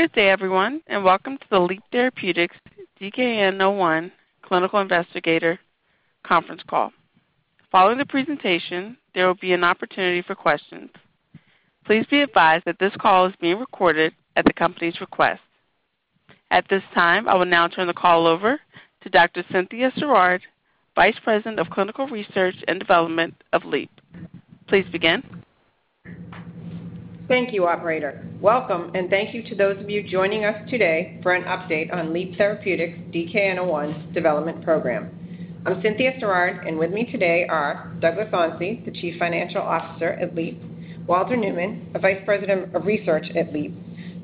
Good day, everyone, welcome to the Leap Therapeutics DKN-01 Clinical Investigator Conference Call. Following the presentation, there will be an opportunity for questions. Please be advised that this call is being recorded at the company's request. At this time, I will now turn the call over to Dr. Cynthia Sirard, Vice President of Clinical Research and Development of Leap Therapeutics. Please begin. Thank you, operator. Welcome, and thank you to those of you joining us today for an update on Leap Therapeutics' DKN-01 development program. I'm Cynthia Sirard. With me today are Douglas Onsi, the Chief Financial Officer at Leap, Walter Newman, a Vice President of Research at Leap,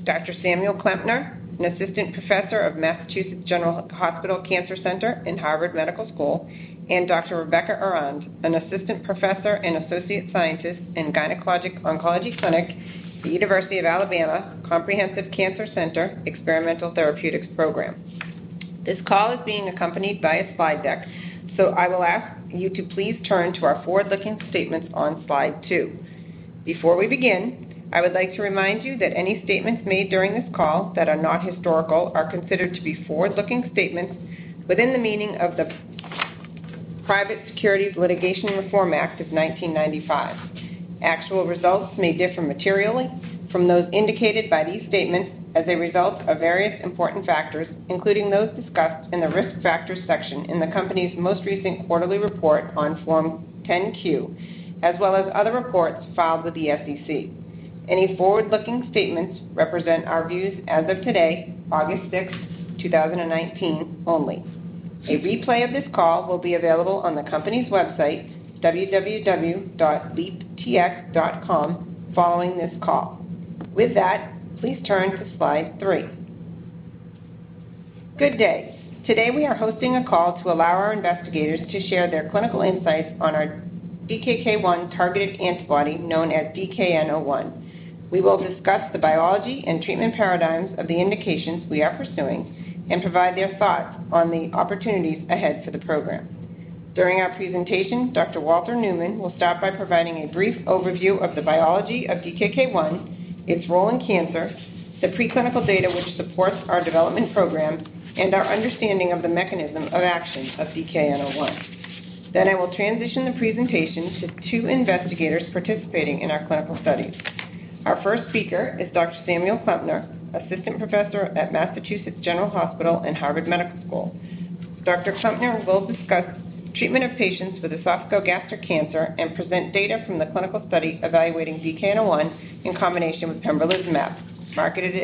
Dr. Samuel Klempner, an Assistant Professor of Massachusetts General Hospital Cancer Center and Harvard Medical School, and Dr. Rebecca Arend, an Assistant Professor and Associate Scientist in Gynecologic Oncology Clinic, the University of Alabama Comprehensive Cancer Center Experimental Therapeutics Program. This call is being accompanied by a slide deck, so I will ask you to please turn to our forward-looking statements on slide two. Before we begin, I would like to remind you that any statements made during this call that are not historical are considered to be forward-looking statements within the meaning of the Private Securities Litigation Reform Act of 1995. Actual results may differ materially from those indicated by these statements as a result of various important factors, including those discussed in the Risk Factors section in the company's most recent quarterly report on Form 10-Q, as well as other reports filed with the SEC. Any forward-looking statements represent our views as of today, August 6th, 2019, only. A replay of this call will be available on the company's website, www.leaptx.com, following this call. With that, please turn to slide three. Good day. Today, we are hosting a call to allow our investigators to share their clinical insights on our DKK-1 targeted antibody, known as DKN-01. We will discuss the biology and treatment paradigms of the indications we are pursuing and provide their thoughts on the opportunities ahead for the program. During our presentation, Dr. Walter Newman will start by providing a brief overview of the biology of DKK-1, its role in cancer, the preclinical data which supports our development program, and our understanding of the mechanism of action of DKN-01. I will transition the presentation to two investigators participating in our clinical studies. Our first speaker is Dr. Samuel Klempner, Assistant Professor at Massachusetts General Hospital and Harvard Medical School. Dr. Klempner will discuss treatment of patients with esophageal gastric cancer and present data from the clinical study evaluating DKN-01 in combination with pembrolizumab, marketed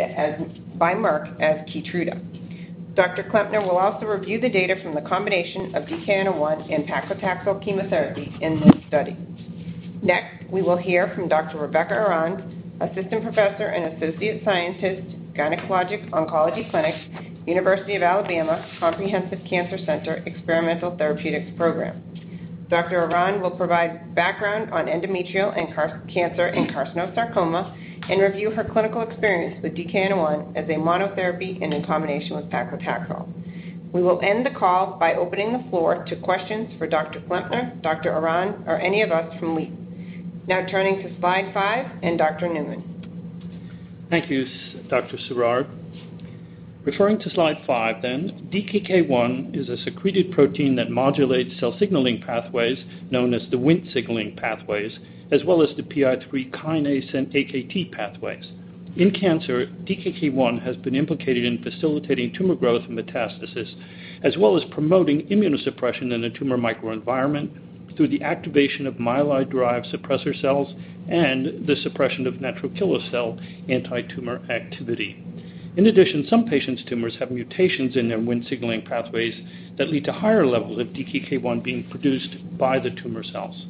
by Merck as KEYTRUDA. Dr. Klempner will also review the data from the combination of DKN-01 and paclitaxel chemotherapy in the study. We will hear from Dr. Rebecca Arend, Assistant Professor and Associate Scientist, Gynecologic Oncology Clinic, University of Alabama Comprehensive Cancer Center Experimental Therapeutics Program. Dr. Arend will provide background on endometrial cancer and carcinosarcoma and review her clinical experience with DKN-01 as a monotherapy and in combination with paclitaxel. We will end the call by opening the floor to questions for Dr. Klempner, Dr. Arend, or any of us from Leap. Turning to slide five and Dr. Newman. Thank you, Dr. Sirard. Referring to slide five then, DKK-1 is a secreted protein that modulates cell signaling pathways known as the Wnt signaling pathways, as well as the PI3 kinase and AKT pathways. In cancer, DKK-1 has been implicated in facilitating tumor growth and metastasis, as well as promoting immunosuppression in the tumor microenvironment through the activation of myeloid-derived suppressor cells and the suppression of natural killer cell anti-tumor activity. In addition, some patients' tumors have mutations in their Wnt signaling pathways that lead to higher levels of DKK-1 being produced by the tumor cells.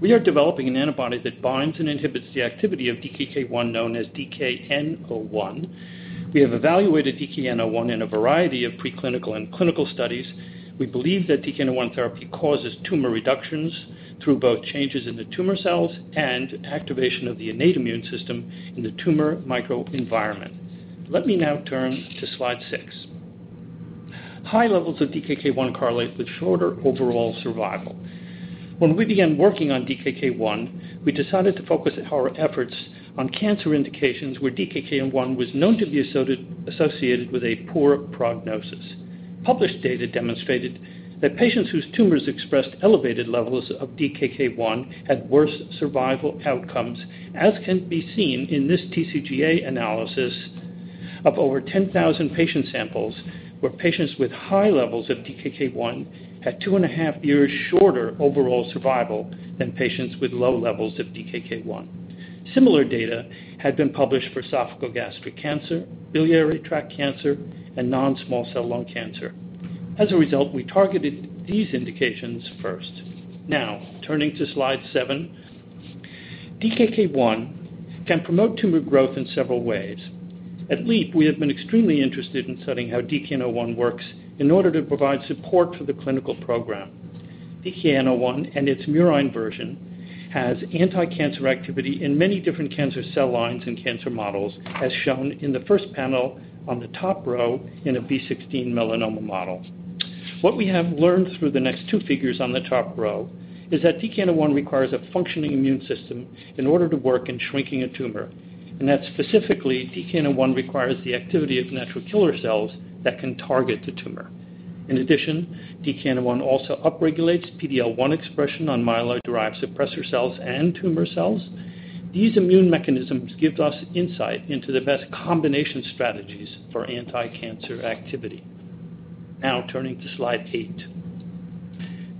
We are developing an antibody that binds and inhibits the activity of DKK-1, known as DKN-01. We have evaluated DKN-01 in a variety of preclinical and clinical studies. We believe that DKN-01 therapy causes tumor reductions through both changes in the tumor cells and activation of the innate immune system in the tumor microenvironment. Let me now turn to slide six. High levels of DKK-1 correlate with shorter overall survival. When we began working on DKK-1, we decided to focus our efforts on cancer indications where DKK-1 was known to be associated with a poor prognosis. Published data demonstrated that patients whose tumors expressed elevated levels of DKK-1 had worse survival outcomes, as can be seen in this TCGA analysis of over 10,000 patient samples where patients with high levels of DKK-1 had two and a half years shorter overall survival than patients with low levels of DKK-1. Similar data had been published for esophageal gastric cancer, biliary tract cancer, and non-small cell lung cancer. As a result, we targeted these indications first. Turning to slide seven. DKK-1 can promote tumor growth in several ways. At Leap, we have been extremely interested in studying how DKN-01 works in order to provide support for the clinical program. DKN-01 and its murine version has anti-cancer activity in many different cancer cell lines and cancer models, as shown in the first panel on the top row in a B16 melanoma model. What we have learned through the next two figures on the top row is that DKN-01 requires a functioning immune system in order to work in shrinking a tumor, and that specifically, DKN-01 requires the activity of Natural Killer cells that can target the tumor. In addition, DKN-01 also upregulates PD-L1 expression on myeloid-derived suppressor cells and tumor cells. These immune mechanisms give us insight into the best combination strategies for anticancer activity. Now turning to slide eight.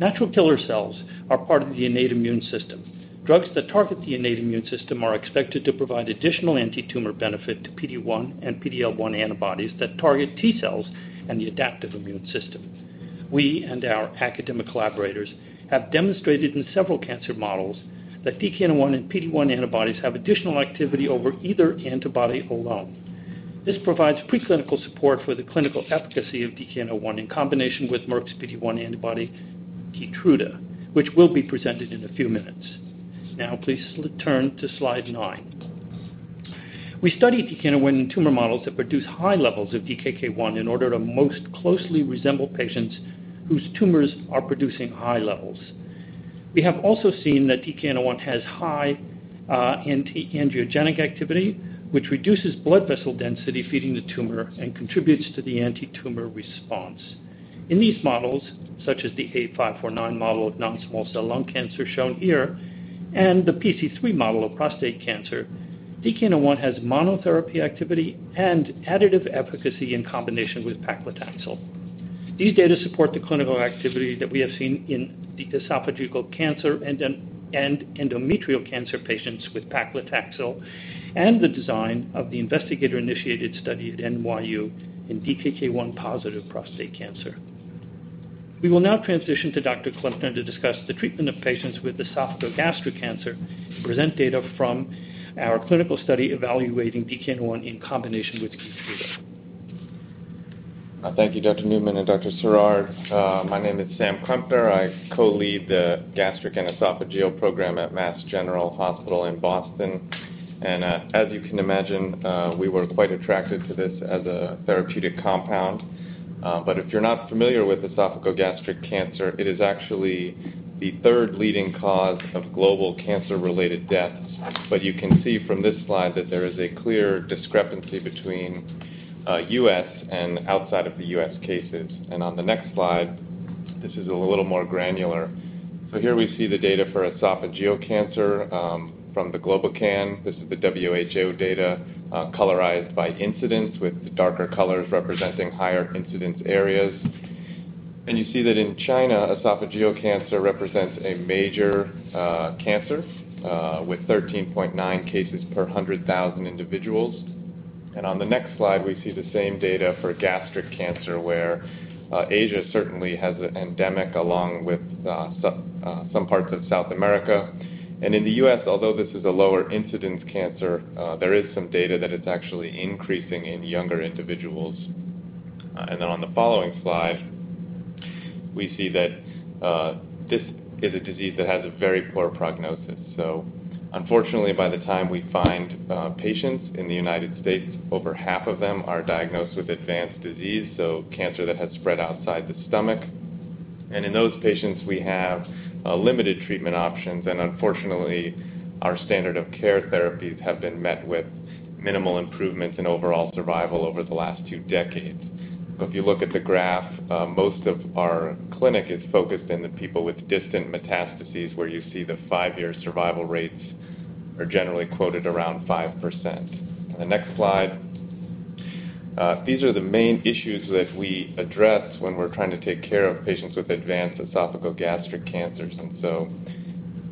Natural Killer cells are part of the innate immune system. Drugs that target the innate immune system are expected to provide additional antitumor benefit to PD-1 and PD-L1 antibodies that target T cells and the adaptive immune system. We and our academic collaborators have demonstrated in several cancer models that DKN-01 and PD-1 antibodies have additional activity over either antibody alone. This provides preclinical support for the clinical efficacy of DKN-01 in combination with Merck's PD-1 antibody, KEYTRUDA, which will be presented in a few minutes. Now please turn to slide nine. We study DKN-01 in tumor models that produce high levels of DKK-1 in order to most closely resemble patients whose tumors are producing high levels. We have also seen that DKN-01 has high anti-angiogenic activity, which reduces blood vessel density feeding the tumor and contributes to the antitumor response. In these models, such as the A549 model of non-small cell lung cancer shown here and the PC3 model of prostate cancer, DKN-01 has monotherapy activity and additive efficacy in combination with paclitaxel. These data support the clinical activity that we have seen in the esophageal cancer and endometrial cancer patients with paclitaxel and the design of the investigator-initiated study at NYU in DKK-1-positive prostate cancer. We will now transition to Dr. Klempner to discuss the treatment of patients with esophagogastric cancer and present data from our clinical study evaluating DKN-01 in combination with KEYTRUDA. Thank you, Dr. Newman and Dr. Sirard. My name is Sam Klempner. I co-lead the gastric and esophageal program at Mass General Hospital in Boston. As you can imagine, we were quite attracted to this as a therapeutic compound. If you're not familiar with esophagogastric cancer, it is actually the third leading cause of global cancer-related deaths. You can see from this slide that there is a clear discrepancy between U.S. and outside of the U.S. cases. On the next slide, this is a little more granular. Here we see the data for esophageal cancer from the GLOBOCAN. This is the WHO data colorized by incidence, with the darker colors representing higher incidence areas. You see that in China, esophageal cancer represents a major cancer with 13.9 cases per 100,000 individuals. On the next slide, we see the same data for gastric cancer, where Asia certainly has an endemic, along with some parts of South America. In the U.S., although this is a lower incidence cancer, there is some data that it's actually increasing in younger individuals. On the following slide, we see that this is a disease that has a very poor prognosis. Unfortunately, by the time we find patients in the United States, over half of them are diagnosed with advanced disease, so cancer that has spread outside the stomach. In those patients, we have limited treatment options. Unfortunately, our standard of care therapies have been met with minimal improvements in overall survival over the last two decades. If you look at the graph, most of our clinic is focused on the people with distant metastases, where you see the five-year survival rates are generally quoted around 5%. The next slide. These are the main issues that we address when we're trying to take care of patients with advanced esophagogastric cancers.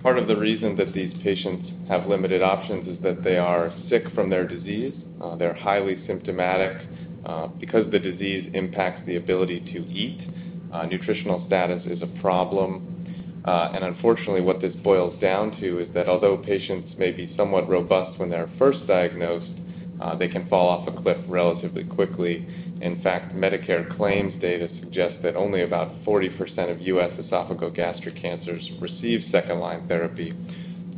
Part of the reason that these patients have limited options is that they are sick from their disease. They're highly symptomatic. Because the disease impacts the ability to eat, nutritional status is a problem. Unfortunately, what this boils down to is that although patients may be somewhat robust when they're first diagnosed, they can fall off a cliff relatively quickly. In fact, Medicare claims data suggests that only about 40% of U.S. esophagogastric cancers receive second-line therapy.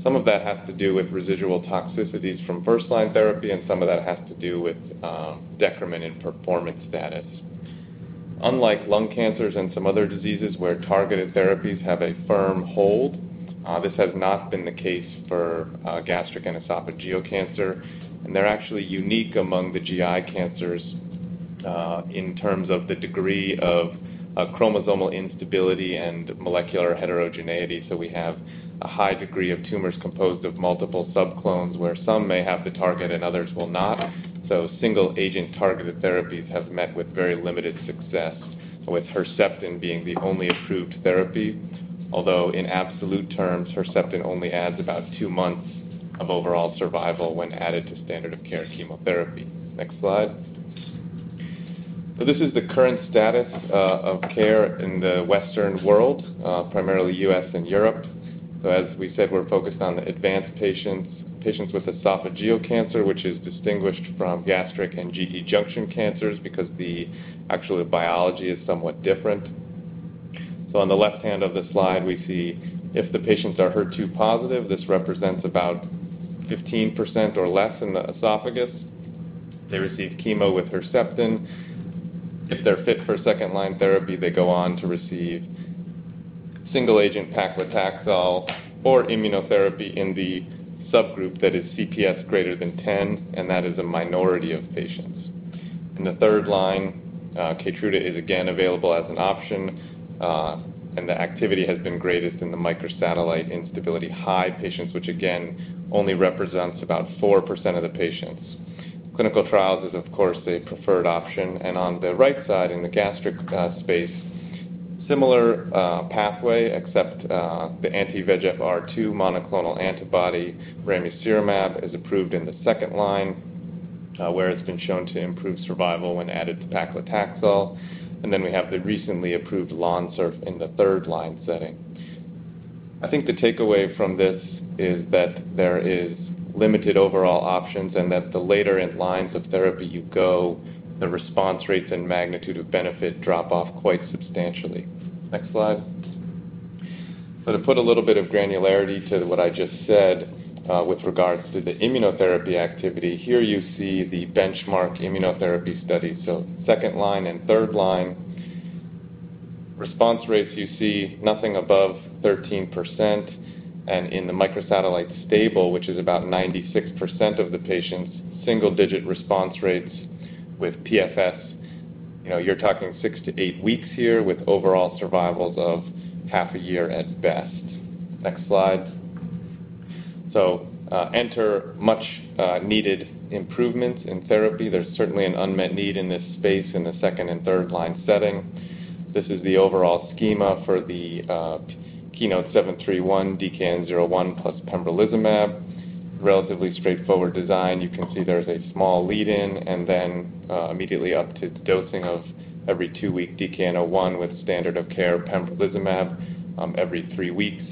Some of that has to do with residual toxicities from first-line therapy, and some of that has to do with decrement in performance status. Unlike lung cancers and some other diseases where targeted therapies have a firm hold, this has not been the case for gastric and esophageal cancer. They're actually unique among the GI cancers in terms of the degree of chromosomal instability and molecular heterogeneity. We have a high degree of tumors composed of multiple subclones, where some may have the target and others will not. Single-agent targeted therapies have met with very limited success, with Herceptin being the only approved therapy. Although in absolute terms, Herceptin only adds about two months of overall survival when added to standard of care chemotherapy. Next slide. This is the current status of care in the Western world, primarily U.S. and Europe. As we said, we're focused on advanced patients with esophageal cancer, which is distinguished from gastric and GE junction cancers because the actual biology is somewhat different. On the left hand of the slide, we see if the patients are HER2 positive, this represents about 15% or less in the esophagus. They receive chemo with Herceptin. If they're fit for second-line therapy, they go on to receive single-agent paclitaxel or immunotherapy in the subgroup that is CPS greater than 10, and that is a minority of patients. In the third line, KEYTRUDA is again available as an option, and the activity has been greatest in the microsatellite instability-high patients, which again, only represents about 4% of the patients. Clinical trials is, of course, the preferred option. On the right side in the gastric space, similar pathway except the anti-VEGFR2 monoclonal antibody ramucirumab is approved in the 2 line, where it's been shown to improve survival when added to paclitaxel. We have the recently approved LONSURF in the 3-line setting. I think the takeaway from this is that there is limited overall options and that the later in lines of therapy you go, the response rates and magnitude of benefit drop off quite substantially. Next slide. To put a little bit of granularity to what I just said with regards to the immunotherapy activity, here you see the benchmark immunotherapy study. 2 line and 3 line. Response rates, you see nothing above 13%. In the microsatellite stable, which is about 96% of the patients, single-digit response rates with PFS. You're talking six to eight weeks here with overall survivals of half a year at best. Next slide. Enter much needed improvements in therapy. There's certainly an unmet need in this space in the second and third-line setting. This is the overall schema for the KEYNOTE-731 DKN-01 plus pembrolizumab. Relatively straightforward design. You can see there's a small lead-in, and then immediately up to the dosing of every two-week DKN-01 with standard of care pembrolizumab every three weeks.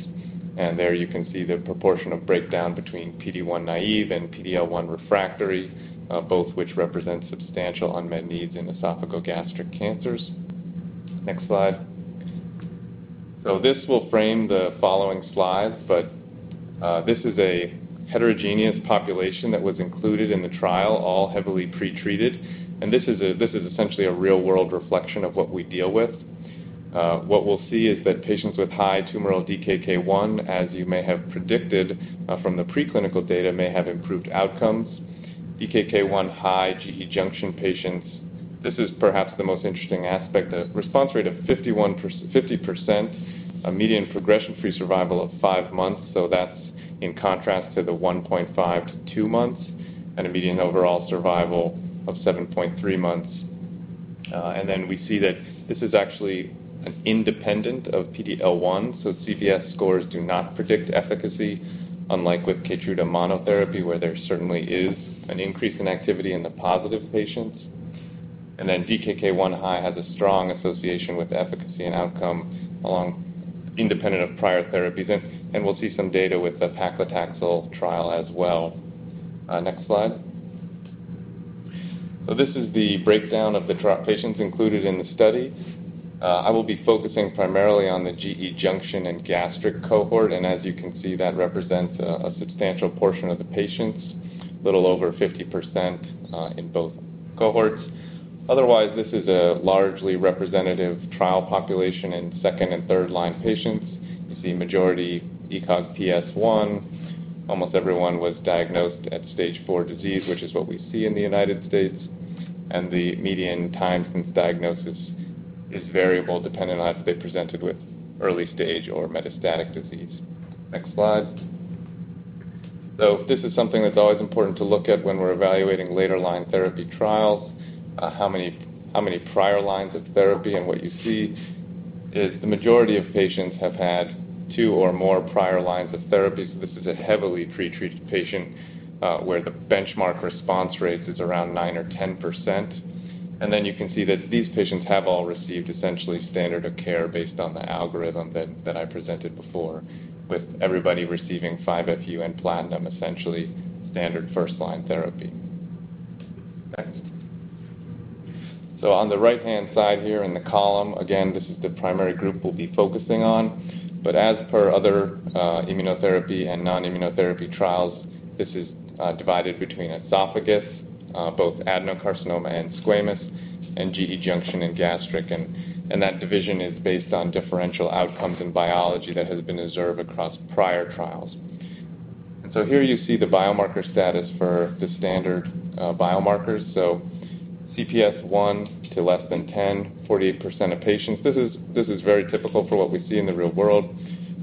There you can see the proportion of breakdown between PD-1 naive and PD-L1 refractory, both which represent substantial unmet needs in esophageal gastric cancers. Next slide. This will frame the following slides, but this is a heterogeneous population that was included in the trial, all heavily pretreated. This is essentially a real-world reflection of what we deal with. What we'll see is that patients with high tumoral DKK-1, as you may have predicted from the preclinical data, may have improved outcomes. DKK-1 high GE junction patients, this is perhaps the most interesting aspect. A response rate of 50%, a median progression free survival of five months. That's in contrast to the 1.5 to two months and a median overall survival of 7.3 months. We see that this is actually an independent of PD-L1, CPS scores do not predict efficacy, unlike with KEYTRUDA monotherapy, where there certainly is an increase in activity in the positive patients. DKK-1 high has a strong association with efficacy and outcome along independent of prior therapies. We'll see some data with the paclitaxel trial as well. Next slide. This is the breakdown of the trial patients included in the study. I will be focusing primarily on the GE junction and gastric cohort, and as you can see, that represents a substantial portion of the patients, a little over 50% in both cohorts. Otherwise, this is a largely representative trial population in second and third-line patients. You see majority ECOG PS1. Almost everyone was diagnosed at stage 4 disease, which is what we see in the U.S. The median time since diagnosis is variable, depending on if they presented with early stage or metastatic disease. Next slide. This is something that's always important to look at when we're evaluating later line therapy trials, how many prior lines of therapy. What you see is the majority of patients have had two or more prior lines of therapy. This is a heavily pretreated patient where the benchmark response rate is around 9% or 10%. You can see that these patients have all received essentially standard of care based on the algorithm that I presented before, with everybody receiving 5-FU and platinum, essentially standard first-line therapy. Next. On the right-hand side here in the column, again, this is the primary group we'll be focusing on. As per other immunotherapy and non-immunotherapy trials, this is divided between esophagus, both adenocarcinoma and squamous, and GE junction and gastric. That division is based on differential outcomes and biology that has been observed across prior trials. Here you see the biomarker status for the standard biomarkers. CPS1 to less than 10, 48% of patients. This is very typical for what we see in the real world.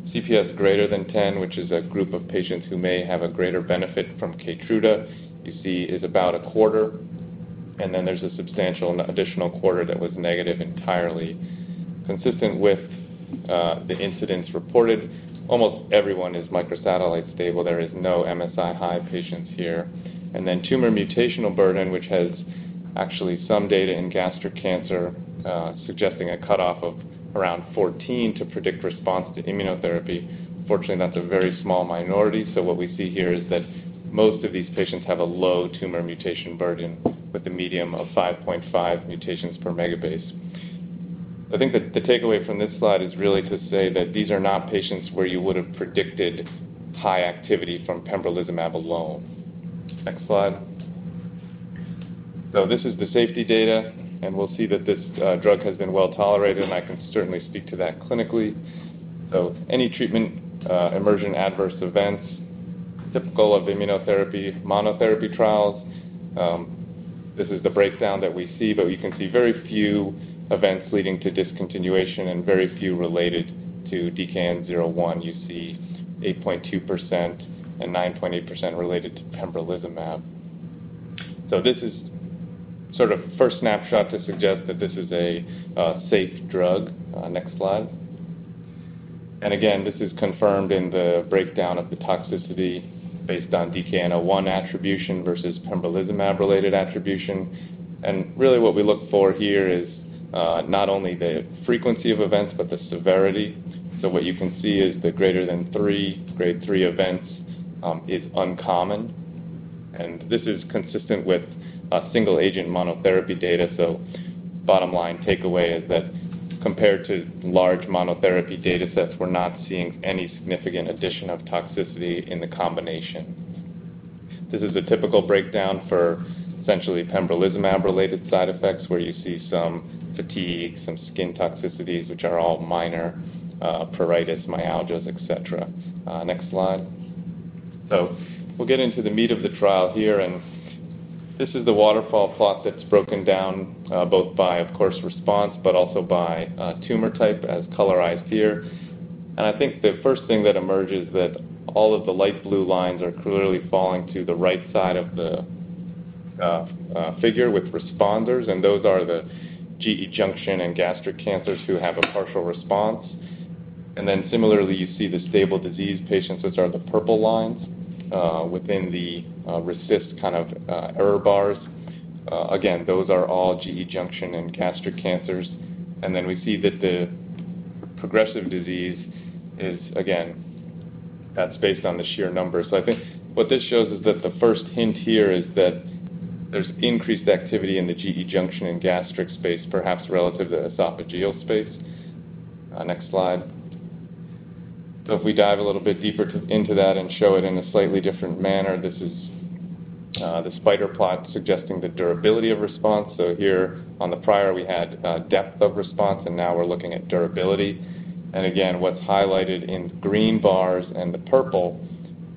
CPS greater than 10, which is a group of patients who may have a greater benefit from KEYTRUDA, you see is about a quarter. There's a substantial additional quarter that was negative entirely. Consistent with the incidents reported, almost everyone is microsatellite stable. There is no MSI high patients here. Tumor mutational burden, which has actually some data in gastric cancer suggesting a cutoff of around 14 to predict response to immunotherapy. Unfortunately, that's a very small minority. What we see here is that most of these patients have a low tumor mutation burden with a medium of 5.5 mutations per megabase. I think that the takeaway from this slide is really to say that these are not patients where you would have predicted high activity from pembrolizumab alone. Next slide. This is the safety data, and we'll see that this drug has been well-tolerated, and I can certainly speak to that clinically. Any treatment emergent adverse events typical of immunotherapy monotherapy trials. This is the breakdown that we see, but we can see very few events leading to discontinuation and very few related to DKN-01. You see 8.2% and 9.8% related to pembrolizumab. This is sort of first snapshot to suggest that this is a safe drug. Next slide. Again, this is confirmed in the breakdown of the toxicity based on DKN-01 attribution versus pembrolizumab related attribution. Really what we look for here is not only the frequency of events but the severity. What you can see is the greater than three, grade 3 events is uncommon. This is consistent with a single agent monotherapy data. Bottom line takeaway is that compared to large monotherapy data sets, we're not seeing any significant addition of toxicity in the combination. This is a typical breakdown for essentially pembrolizumab related side effects, where you see some fatigue, some skin toxicities, which are all minor pruritus, myalgias, et cetera. Next slide. We'll get into the meat of the trial here, and this is the waterfall plot that's broken down both by, of course, response, but also by tumor type as colorized here. I think the first thing that emerges that all of the light blue lines are clearly falling to the right side of the figure with responders, and those are the GE junction and gastric cancers who have a partial response. Similarly, you see the stable disease patients. Those are the purple lines within the RECIST kind of error bars. Again, those are all GE junction and gastric cancers. We see that the progressive disease is, again, that's based on the sheer numbers. I think what this shows is that the first hint here is that there's increased activity in the GE junction and gastric space, perhaps relative to esophageal space. Next slide. If we dive a little bit deeper into that and show it in a slightly different manner, this is the spider plot suggesting the durability of response. Here on the prior, we had depth of response, and now we're looking at durability. Again, what's highlighted in green bars and the purple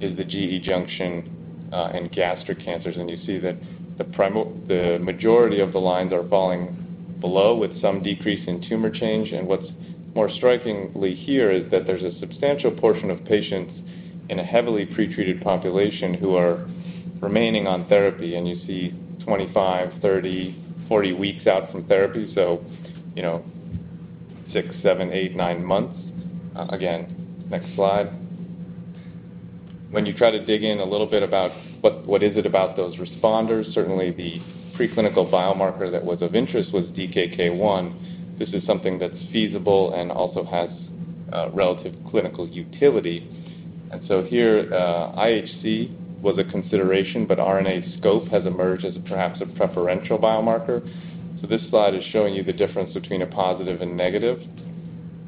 is the GE junction and gastric cancers. You see that the majority of the lines are falling below with some decrease in tumor change. What's more strikingly here is that there's a substantial portion of patients in a heavily pretreated population who are remaining on therapy, and you see 25, 30, 40 weeks out from therapy, so six, seven, eight, nine months. Again, next slide. When you try to dig in a little bit about what is it about those responders, certainly the preclinical biomarker that was of interest was DKK-1. This is something that's feasible and also has relative clinical utility. Here, IHC was a consideration, but RNAscope has emerged as perhaps a preferential biomarker. This slide is showing you the difference between a positive and negative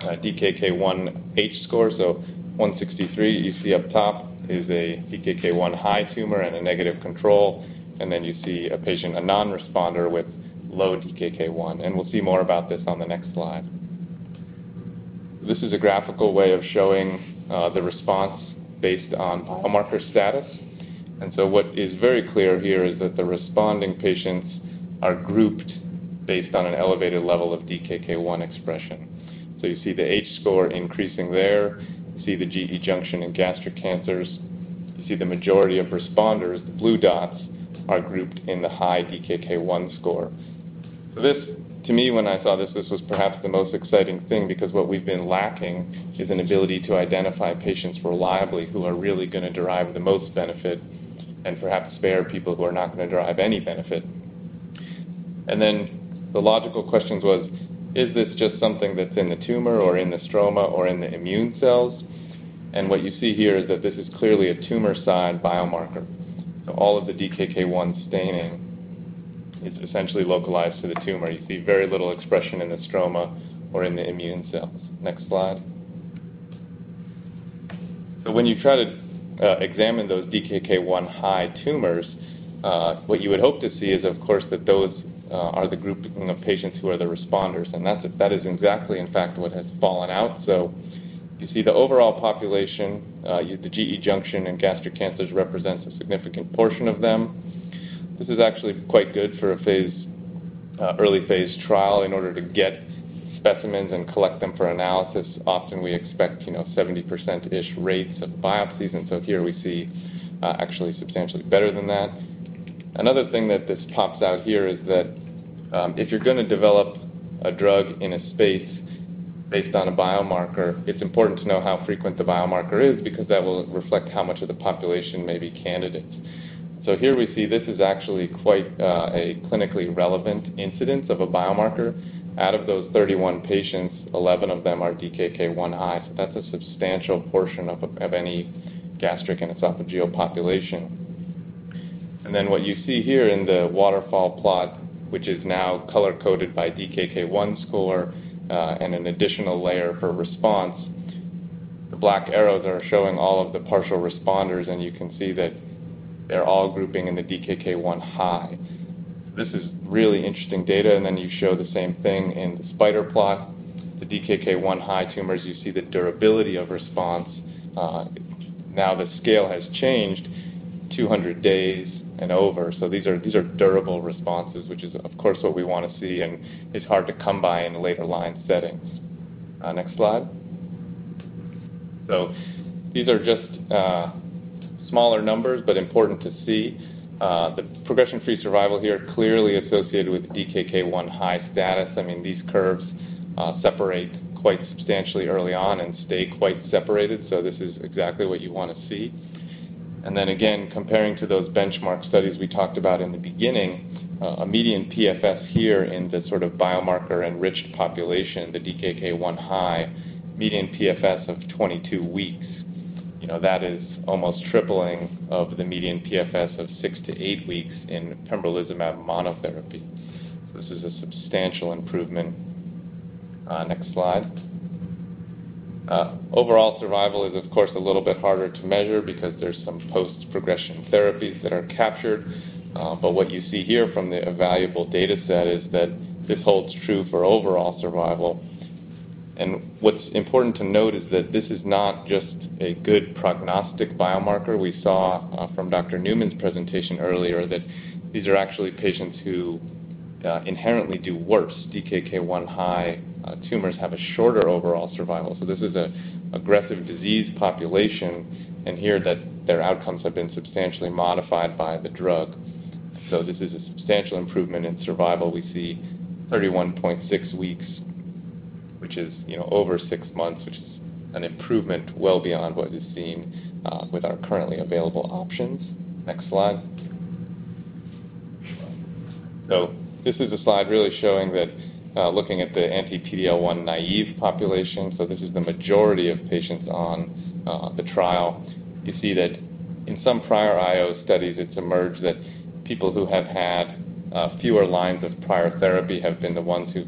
DKK-1 H-score. 163 you see up top is a DKK-1 high tumor and a negative control. You see a patient, a non-responder with low DKK-1. We'll see more about this on the next slide. This is a graphical way of showing the response based on biomarker status. What is very clear here is that the responding patients are grouped based on an elevated level of DKK-1 expression. You see the H score increasing there. You see the GE junction and gastric cancers. You see the majority of responders, the blue dots are grouped in the high DKK-1 score. This to me, when I saw this was perhaps the most exciting thing because what we've been lacking is an ability to identify patients reliably who are really going to derive the most benefit and perhaps spare people who are not going to derive any benefit. The logical questions was, is this just something that's in the tumor or in the stroma or in the immune cells? What you see here is that this is clearly a tumor-side biomarker. All of the DKK-1 staining is essentially localized to the tumor. You see very little expression in the stroma or in the immune cells. Next slide. When you try to examine those DKK-1 high tumors, what you would hope to see is, of course, that those are the group of patients who are the responders, and that is exactly in fact, what has fallen out. You see the overall population, the GE junction and gastric cancers represents a significant portion of them. This is actually quite good for an early phase trial in order to get specimens and collect them for analysis. Often we expect 70%-ish rates of biopsies, here we see actually substantially better than that. Another thing that this pops out here is that if you're going to develop a drug in a space based on a biomarker, it's important to know how frequent the biomarker is because that will reflect how much of the population may be candidates. Here we see this is actually quite a clinically relevant incidence of a biomarker. Out of those 31 patients, 11 of them are DKK-1 high. That's a substantial portion of any gastric and esophageal population. What you see here in the waterfall plot, which is now color-coded by DKK-1 score and an additional layer for response, the black arrows are showing all of the partial responders, and you can see that they're all grouping in the DKK-1 high. This is really interesting data. You show the same thing in the spider plot, the DKK-1 high tumors, you see the durability of response. The scale has changed 200 days and over. These are durable responses, which is of course what we want to see and is hard to come by in the later line settings. Next slide. These are just smaller numbers but important to see. The progression-free survival here clearly associated with DKK-1 high status. These curves separate quite substantially early on and stay quite separated. This is exactly what you want to see. Again, comparing to those benchmark studies we talked about in the beginning, a median PFS here in the biomarker-enriched population, the DKK-1 high, median PFS of 22 weeks. That is almost tripling of the median PFS of six to eight weeks in pembrolizumab monotherapy. This is a substantial improvement. Next slide. Overall survival is, of course, a little bit harder to measure because there's some post-progression therapies that are captured. What you see here from the evaluable data set is that this holds true for overall survival. What's important to note is that this is not just a good prognostic biomarker. We saw from Dr. Newman's presentation earlier that these are actually patients who inherently do worse. DKK-1 high tumors have a shorter overall survival. This is an aggressive disease population, and here their outcomes have been substantially modified by the drug. This is a substantial improvement in survival. We see 31.6 weeks, which is over six months, which is an improvement well beyond what is seen with our currently available options. Next slide. This is a slide really showing that looking at the anti-PD-L1-naive population, this is the majority of patients on the trial. You see that in some prior IO studies, it's emerged that people who have had fewer lines of prior therapy have been the ones who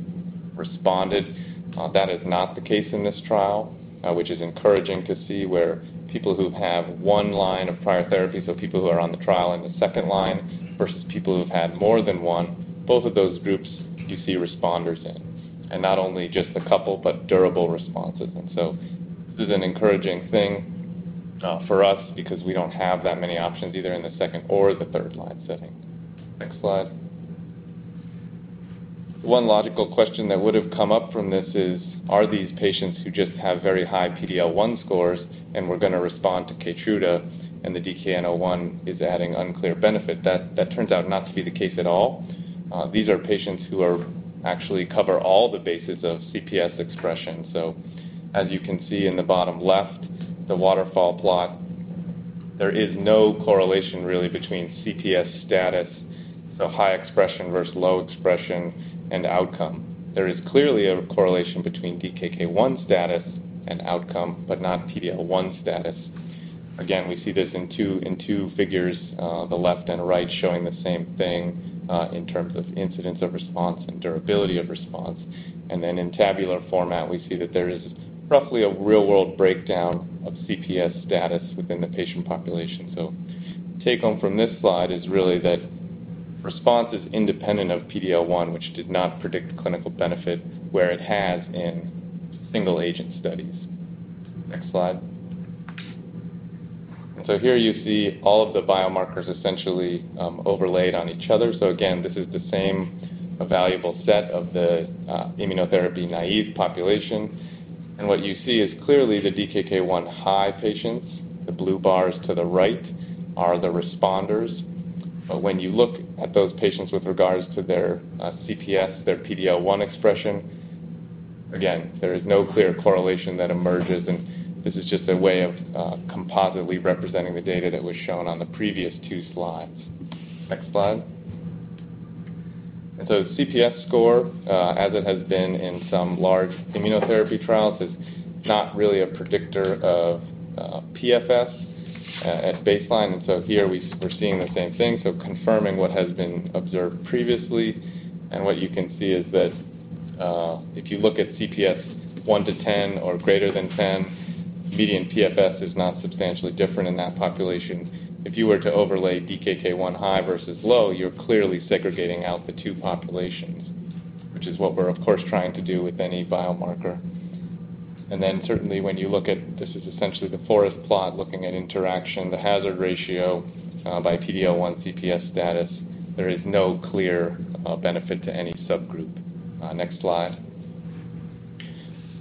responded. That is not the case in this trial, which is encouraging to see where people who have 1 line of prior therapy, so people who are on the trial in the second line versus people who've had more than one, both of those groups you see responders in. Not only just a couple but durable responses. This is an encouraging thing for us because we don't have that many options either in the second or the third-line setting. Next slide. One logical question that would have come up from this is, are these patients who just have very high PD-L1 scores and were going to respond to KEYTRUDA and the DKK-1 is adding unclear benefit? That turns out not to be the case at all. These are patients who actually cover all the bases of CPS expression. As you can see in the bottom left, the waterfall plot, there is no correlation really between CPS status, high expression versus low expression and outcome. There is clearly a correlation between DKK-1 status and outcome, but not PD-L1 status. Again, we see this in two figures, the left and right showing the same thing, in terms of incidence of response and durability of response. In tabular format, we see that there is roughly a real-world breakdown of CPS status within the patient population. The take-home from this slide is really that response is independent of PD-L1, which did not predict clinical benefit where it has in single-agent studies. Next slide. Here you see all of the biomarkers essentially overlaid on each other. Again, this is the same evaluable set of the immunotherapy-naive population. What you see is clearly the DKK-1 high patients. The blue bars to the right are the responders. When you look at those patients with regards to their CPS, their PD-L1 expression, again, there is no clear correlation that emerges, and this is just a way of compositely representing the data that was shown on the previous two slides. Next slide. CPS score as it has been in some large immunotherapy trials is not really a predictor of PFS at baseline. Here we're seeing the same thing. Confirming what has been observed previously and what you can see is that if you look at CPS 1 to 10 or greater than 10, median PFS is not substantially different in that population. If you were to overlay DKK-1 high versus low, you're clearly segregating out the two populations, which is what we're of course trying to do with any biomarker. Certainly when you look at this is essentially the forest plot looking at interaction, the hazard ratio by PD-L1 CPS status, there is no clear benefit to any subgroup. Next slide.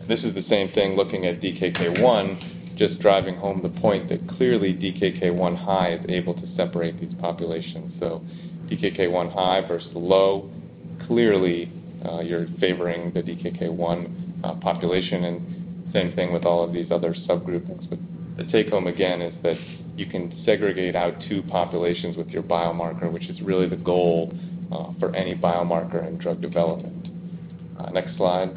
This is the same thing looking at DKK-1, just driving home the point that clearly DKK-1 high is able to separate these populations. DKK-1 high versus low, clearly you're favoring the DKK-1 population and same thing with all of these other subgroups. The take-home again is that you can segregate out two populations with your biomarker, which is really the goal for any biomarker in drug development. Next slide.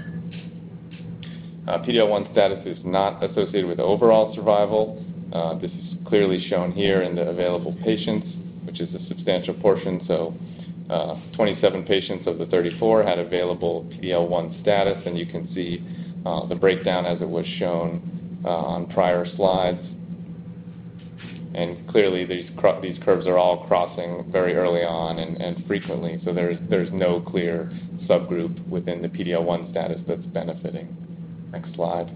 PD-L1 status is not associated with overall survival. This is clearly shown here in the available patients, which is a substantial portion. 27 patients of the 34 had available PD-L1 status, and you can see the breakdown as it was shown on prior slides. Clearly, these curves are all crossing very early on and frequently, so there's no clear subgroup within the PD-L1 status that's benefiting. Next slide.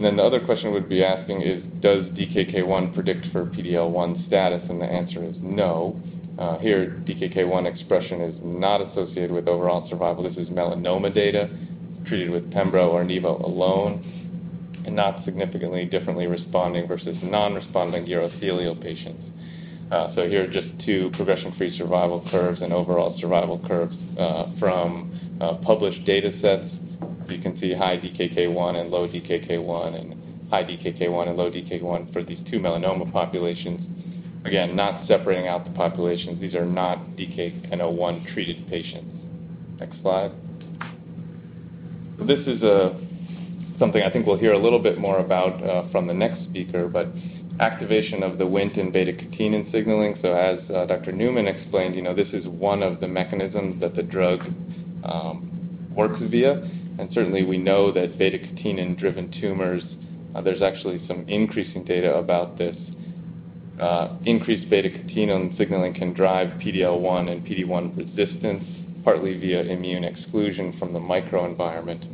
The other question we would be asking is, does DKK-1 predict for PD-L1 status? The answer is no. Here, DKK-1 expression is not associated with overall survival. This is melanoma data treated with pembro or nivo alone and not significantly differently responding versus non-responding urothelial patients. Here are just two progression-free survival curves and overall survival curves from published data sets. You can see high DKK-1 and low DKK-1 and high DKK-1 and low DKK-1 for these two melanoma populations. Not separating out the populations. These are not DKN-01 treated patients. Next slide. This is something I think we'll hear a little bit more about from the next speaker, but activation of the Wnt and beta-catenin signaling. As Dr. Newman explained, this is one of the mechanisms that the drug works via. Certainly, we know that beta-catenin-driven tumors, there's actually some increasing data about this. Increased beta-catenin signaling can drive PD-L1 and PD-1 resistance, partly via immune exclusion from the microenvironment.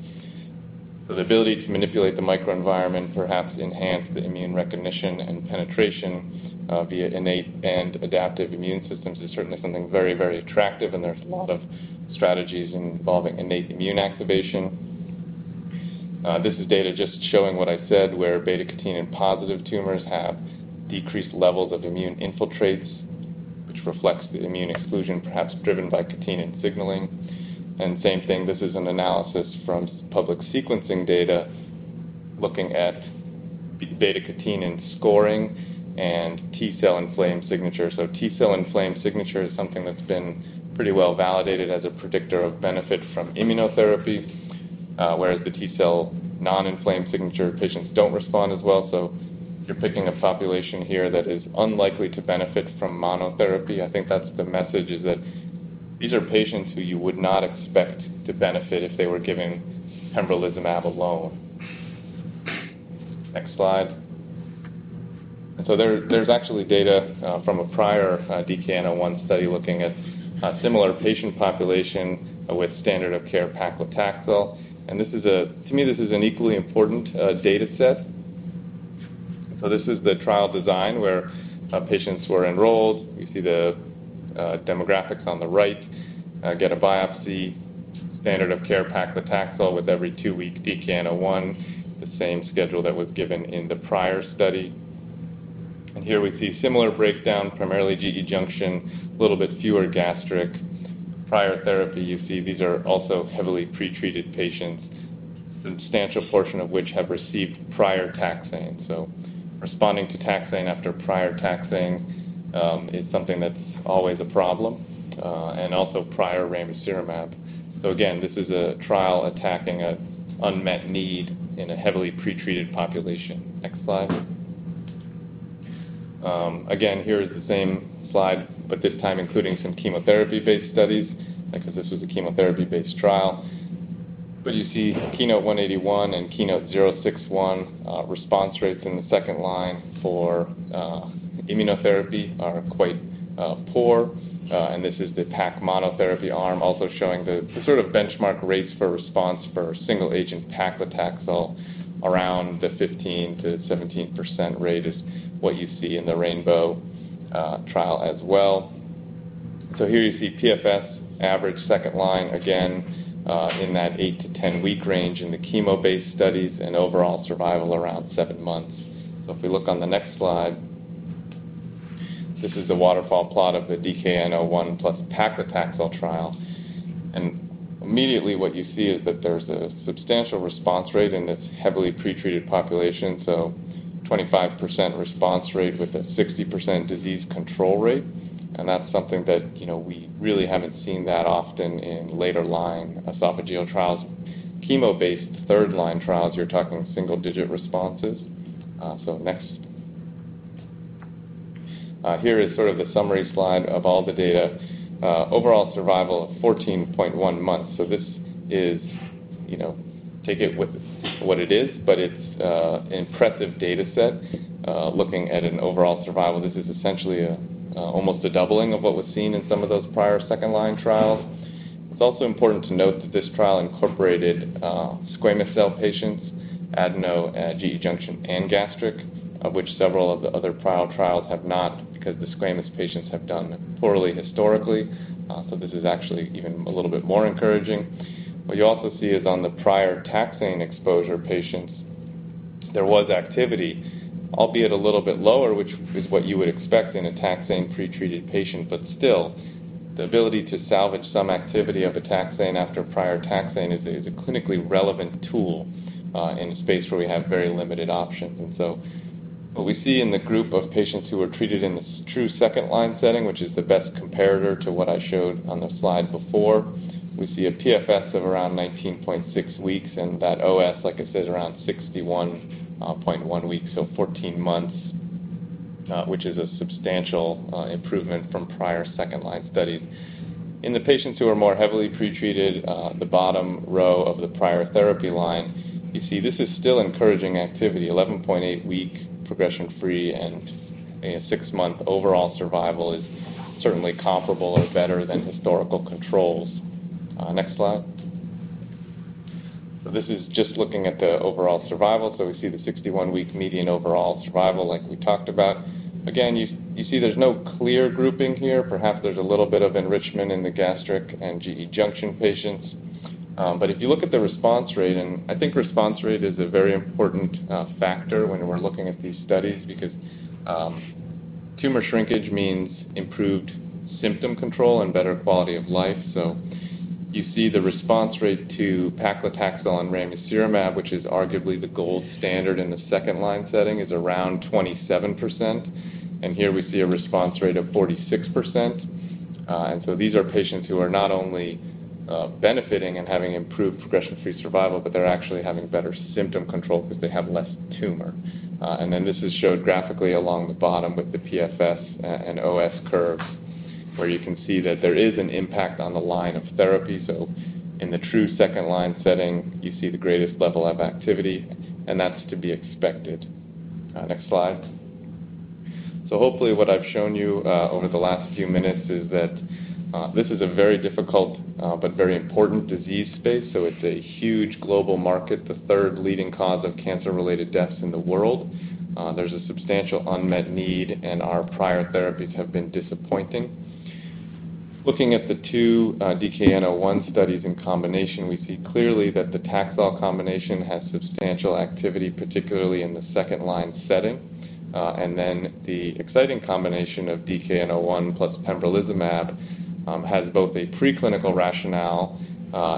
The ability to manipulate the microenvironment perhaps enhance the immune recognition and penetration via innate and adaptive immune systems is certainly something very, very attractive, and there's a lot of strategies involving innate immune activation. This is data just showing what I said, where beta-catenin positive tumors have decreased levels of immune infiltrates, which reflects the immune exclusion perhaps driven by catenin signaling. Same thing, this is an analysis from public sequencing data looking at beta-catenin scoring and T cell inflamed signature. T cell inflamed signature is something that's been pretty well validated as a predictor of benefit from immunotherapy, whereas the T cell non-inflamed signature patients don't respond as well. You're picking a population here that is unlikely to benefit from monotherapy. I think that's the message is that these are patients who you would not expect to benefit if they were given pembrolizumab alone. Next slide. There's actually data from a prior DKN-01 study looking at a similar patient population with standard of care paclitaxel. To me, this is an equally important data set. This is the trial design where patients were enrolled. We see the demographics on the right, get a biopsy, standard of care paclitaxel with every two-week DKN-01, the same schedule that was given in the prior study. Here we see similar breakdown, primarily GE junction, a little bit fewer gastric. Prior therapy, you see these are also heavily pretreated patients, substantial portion of which have received prior taxane. Responding to taxane after prior taxane is something that's always a problem. Also prior ramucirumab. Again, this is a trial attacking a unmet need in a heavily pretreated population. Next slide. Again, here is the same slide, this time including some chemotherapy-based studies, because this was a chemotherapy-based trial. You see KEYNOTE-181 and KEYNOTE-061 response rates in the second line for immunotherapy are quite poor. This is the PAC monotherapy arm, also showing the sort of benchmark rates for response for single agent paclitaxel around the 15%-17% rate is what you see in the RAINBOW trial as well. Here you see PFS average second line, again, in that 8-10 week range in the chemo-based studies and overall survival around seven months. If we look on the next slide, this is the waterfall plot of the DKN-01 plus paclitaxel trial. Immediately what you see is that there's a substantial response rate in this heavily pretreated population, so 25% response rate with a 60% disease control rate. That's something that we really haven't seen that often in later line esophageal trials. Chemo-based third line trials, you're talking single digit responses. Next. Here is sort of the summary slide of all the data. Overall survival of 14.1 months. This is, take it with what it is, but it's an impressive data set, looking at an overall survival. This is essentially almost a doubling of what was seen in some of those prior second-line trials. It's also important to note that this trial incorporated squamous cell patients, adeno, GE junction, and gastric, of which several of the other prior trials have not because the squamous patients have done poorly historically. This is actually even a little bit more encouraging. What you also see is on the prior taxane exposure patients, there was activity, albeit a little bit lower, which is what you would expect in a taxane pretreated patient. Still, the ability to salvage some activity of a taxane after a prior taxane is a clinically relevant tool in a space where we have very limited options. What we see in the group of patients who are treated in this true second-line setting, which is the best comparator to what I showed on the slide before, we see a PFS of around 19.6 weeks and that OS, like I said, around 61.1 weeks, so 14 months, which is a substantial improvement from prior second-line studies. In the patients who are more heavily pre-treated, the bottom row of the prior therapy line, you see this is still encouraging activity, 11.8-week progression-free and a six-month overall survival is certainly comparable or better than historical controls. Next slide. This is just looking at the overall survival. We see the 61-week median overall survival like we talked about. Again, you see there's no clear grouping here. Perhaps there's a little bit of enrichment in the gastric and GE junction patients. If you look at the response rate, and I think response rate is a very important factor when we're looking at these studies because, tumor shrinkage means improved symptom control and better quality of life. You see the response rate to paclitaxel and ramucirumab, which is arguably the gold standard in the second-line setting, is around 27%. Here we see a response rate of 46%. These are patients who are not only benefiting and having improved progression-free survival, but they're actually having better symptom control because they have less tumor. This is showed graphically along the bottom with the PFS and OS curves, where you can see that there is an impact on the line of therapy. In the true second-line setting, you see the greatest level of activity, and that's to be expected. Next slide. Hopefully what I've shown you over the last few minutes is that this is a very difficult, but very important disease space. It's a huge global market, the third leading cause of cancer-related deaths in the world. There's a substantial unmet need, and our prior therapies have been disappointing. Looking at the two DKN-01 studies in combination, we see clearly that the Taxol combination has substantial activity, particularly in the second-line setting. The exciting combination of DKN-01 plus pembrolizumab has both a preclinical rationale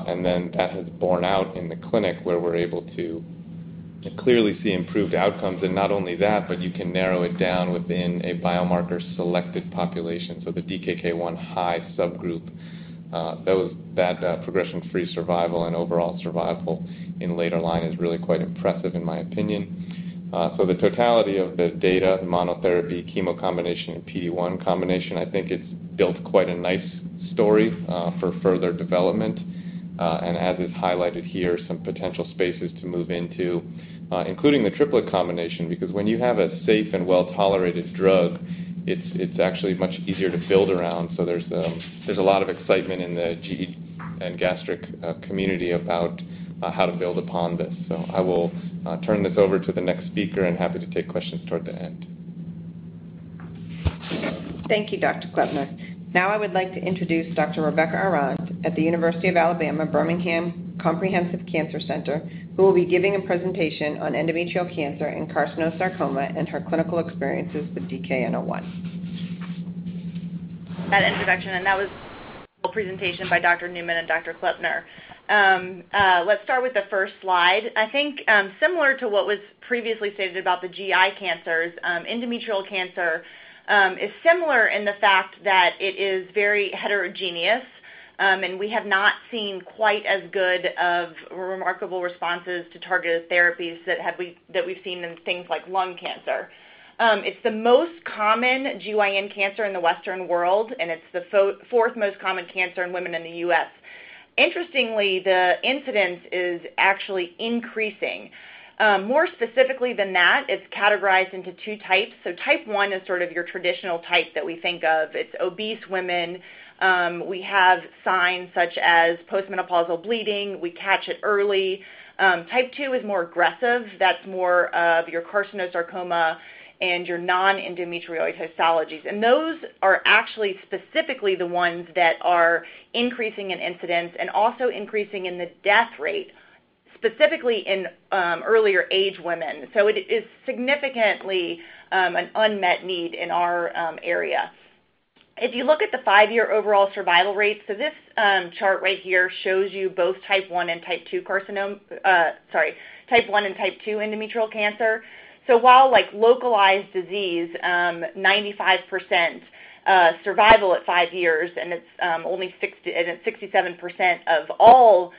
and then that has borne out in the clinic where we're able to clearly see improved outcomes. Not only that, but you can narrow it down within a biomarker selected population. The DKK-1 high subgroup, that progression-free survival and overall survival in later-line is really quite impressive in my opinion. The totality of the data, the monotherapy, chemo combination, and PD-1 combination, I think it's built quite a nice story for further development. As is highlighted here, some potential spaces to move into, including the triplet combination, because when you have a safe and well-tolerated drug, it's actually much easier to build around. There's a lot of excitement in the GE and gastric community about how to build upon this. I will turn this over to the next speaker and happy to take questions toward the end. Thank you, Dr. Klempner. Now I would like to introduce Dr. Rebecca Arend at the University of Alabama at Birmingham Comprehensive Cancer Center, who will be giving a presentation on endometrial cancer and carcinosarcoma and her clinical experiences with DKN-01. That introduction. That was a presentation by Dr. Newman and Dr. Klempner. Let's start with the first slide. I think, similar to what was previously stated about the GI cancers, endometrial cancer is similar in the fact that it is very heterogeneous. We have not seen quite as good of remarkable responses to targeted therapies that we've seen in things like lung cancer. It's the most common GYN cancer in the Western world. It's the fourth most common cancer in women in the U.S. Interestingly, the incidence is actually increasing. More specifically than that, it's categorized into two types. Type 1 is sort of your traditional type that we think of. It's obese women. We have signs such as post-menopausal bleeding. We catch it early. Type 2 is more aggressive. That's more of your carcinosarcoma and your non-endometrial histologies. Those are actually specifically the ones that are increasing in incidence and also increasing in the death rate, specifically in earlier age women. It is significantly an unmet need in our area. If you look at the five-year overall survival rates, this chart right here shows you both type 1 and type 2 endometrial cancer. While localized disease, 95% survival at five years, and it's 67% of all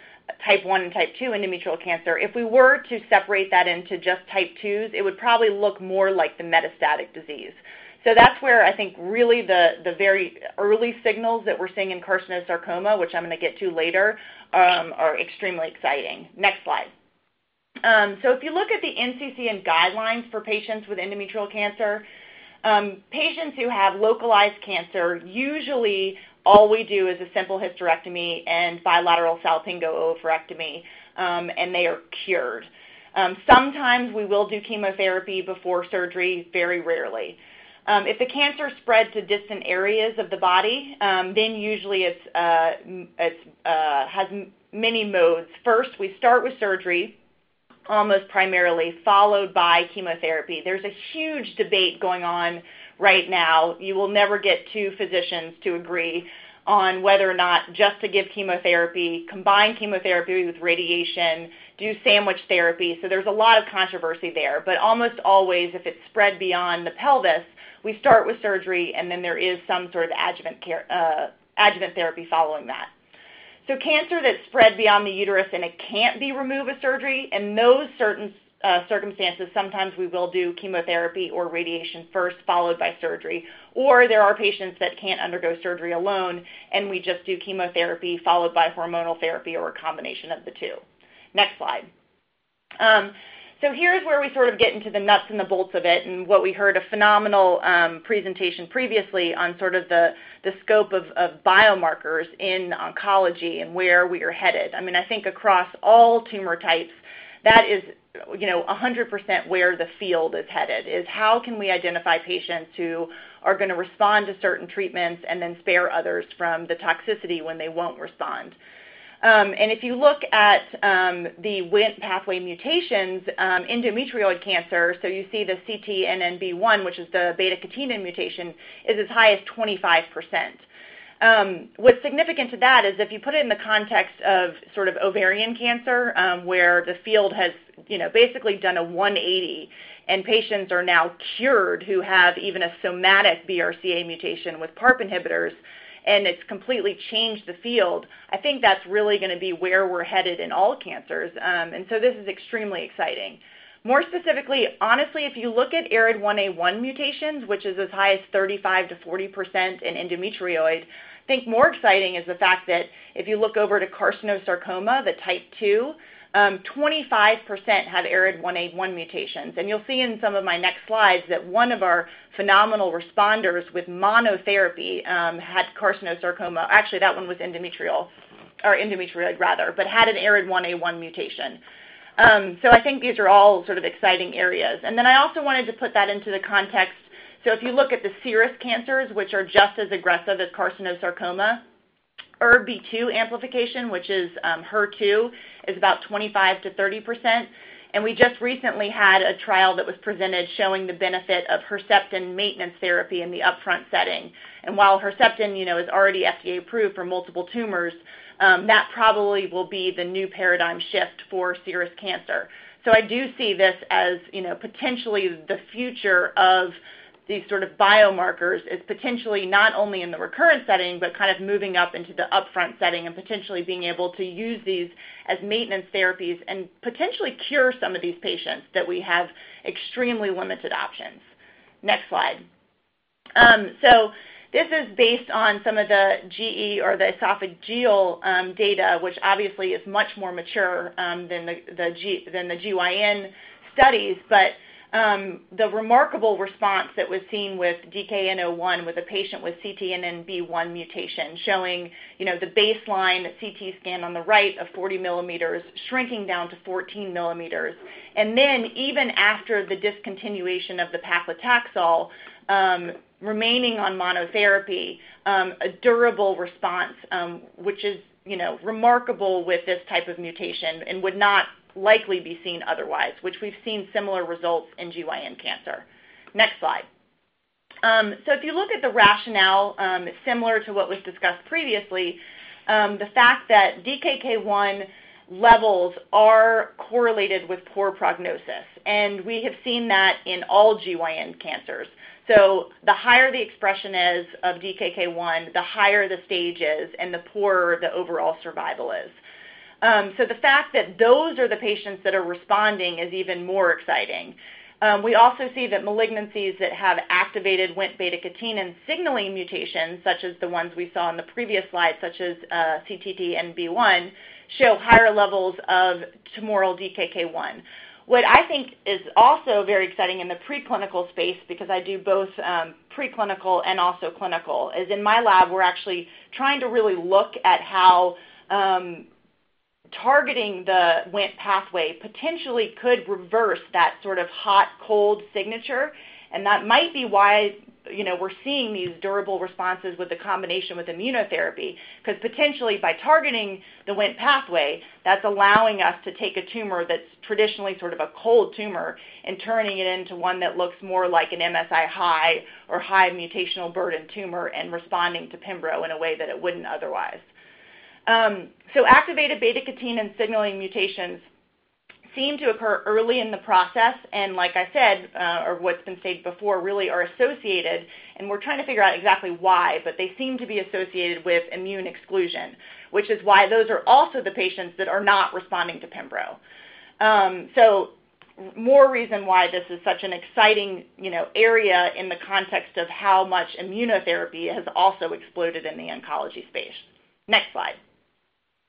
type 1 and type 2 endometrial cancer. If we were to separate that into just type 2s, it would probably look more like the metastatic disease. That's where I think really the very early signals that we're seeing in carcinosarcoma, which I'm going to get to later, are extremely exciting. Next slide. If you look at the NCCN guidelines for patients with endometrial cancer, patients who have localized cancer, usually all we do is a simple hysterectomy and bilateral salpingo-oophorectomy, and they are cured. Sometimes we will do chemotherapy before surgery, very rarely. If the cancer spreads to distant areas of the body, then usually it has many modes. First, we start with surgery, almost primarily, followed by chemotherapy. There's a huge debate going on right now. You will never get two physicians to agree on whether or not just to give chemotherapy, combine chemotherapy with radiation, do sandwich therapy. There's a lot of controversy there. Almost always, if it's spread beyond the pelvis, we start with surgery, and then there is some sort of adjuvant therapy following that. Cancer that's spread beyond the uterus and it can't be removed with surgery, in those circumstances, sometimes we will do chemotherapy or radiation first, followed by surgery. There are patients that can't undergo surgery alone, and we just do chemotherapy, followed by hormonal therapy or a combination of the two. Next slide. Here's where we sort of get into the nuts and the bolts of it and what we heard a phenomenal presentation previously on sort of the scope of biomarkers in oncology and where we are headed. I think across all tumor types, that is 100% where the field is headed, is how can we identify patients who are going to respond to certain treatments and then spare others from the toxicity when they won't respond? If you look at the Wnt pathway mutations, endometrioid cancer, you see the CTNNB1, which is the beta-catenin mutation, is as high as 25%. What's significant to that is if you put it in the context of sort of ovarian cancer, where the field has basically done a 180 and patients are now cured who have even a somatic BRCA mutation with PARP inhibitors, and it's completely changed the field. I think that's really going to be where we're headed in all cancers. This is extremely exciting. More specifically, honestly, if you look at ARID1A mutations, which is as high as 35%-40% in endometrioid, I think more exciting is the fact that if you look over to carcinosarcoma, the type 2, 25% have ARID1A mutations. You'll see in some of my next slides that one of our phenomenal responders with monotherapy had carcinosarcoma. Actually, that one was endometrial, or endometrioid rather, but had an ARID1A mutation. I think these are all sort of exciting areas. Then I also wanted to put that into the context. If you look at the serous cancers, which are just as aggressive as carcinosarcoma, ERBB2 amplification, which is HER2, is about 25%-30%. We just recently had a trial that was presented showing the benefit of Herceptin maintenance therapy in the upfront setting. While Herceptin is already FDA approved for multiple tumors, that probably will be the new paradigm shift for serous cancer. I do see this as potentially the future of these sort of biomarkers. It's potentially not only in the recurrent setting, but kind of moving up into the upfront setting and potentially being able to use these as maintenance therapies and potentially cure some of these patients that we have extremely limited options. Next slide. This is based on some of the GE or the esophageal data, which obviously is much more mature than the GYN studies. The remarkable response that was seen with DKN-01 with a patient with CTNNB1 mutation, showing the baseline CT scan on the right of 40 mm shrinking down to 14 mm. Even after the discontinuation of the paclitaxel, remaining on monotherapy, a durable response, which is remarkable with this type of mutation and would not likely be seen otherwise, which we've seen similar results in GYN cancer. Next slide. If you look at the rationale, similar to what was discussed previously, the fact that DKK-1 levels are correlated with poor prognosis, and we have seen that in all GYN cancers. The higher the expression is of DKK-1, the higher the stage is and the poorer the overall survival is. The fact that those are the patients that are responding is even more exciting. We also see that malignancies that have activated Wnt beta-catenin signaling mutations, such as the ones we saw in the previous slide, such as CTNNB1, show higher levels of tumoral DKK-1. What I think is also very exciting in the preclinical space, because I do both preclinical and also clinical, is in my lab, we're actually trying to really look at how targeting the Wnt pathway potentially could reverse that sort of hot/cold signature. That might be why we're seeing these durable responses with the combination with immunotherapy. Potentially by targeting the Wnt pathway, that's allowing us to take a tumor that's traditionally sort of a cold tumor and turning it into one that looks more like an MSI high or high mutational burden tumor and responding to pembro in a way that it wouldn't otherwise. Activated beta-catenin signaling mutations seem to occur early in the process, and like I said, or what's been said before, really are associated, and we're trying to figure out exactly why, but they seem to be associated with immune exclusion. Which is why those are also the patients that are not responding to pembro. More reason why this is such an exciting area in the context of how much immunotherapy has also exploded in the oncology space.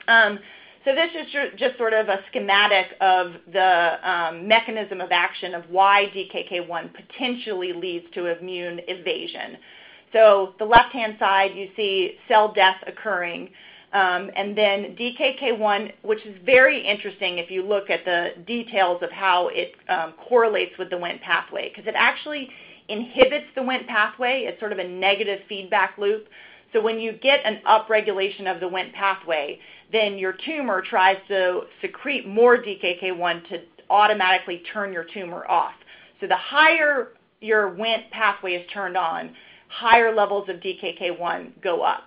Next slide. This is just sort of a schematic of the mechanism of action of why DKK-1 potentially leads to immune invasion. The left-hand side, you see cell death occurring. DKK-1, which is very interesting if you look at the details of how it correlates with the Wnt pathway, because it actually inhibits the Wnt pathway. It is sort of a negative feedback loop. When you get an upregulation of the Wnt pathway, your tumor tries to secrete more DKK-1 to automatically turn your tumor off. The higher your Wnt pathway is turned on, higher levels of DKK-1 go up,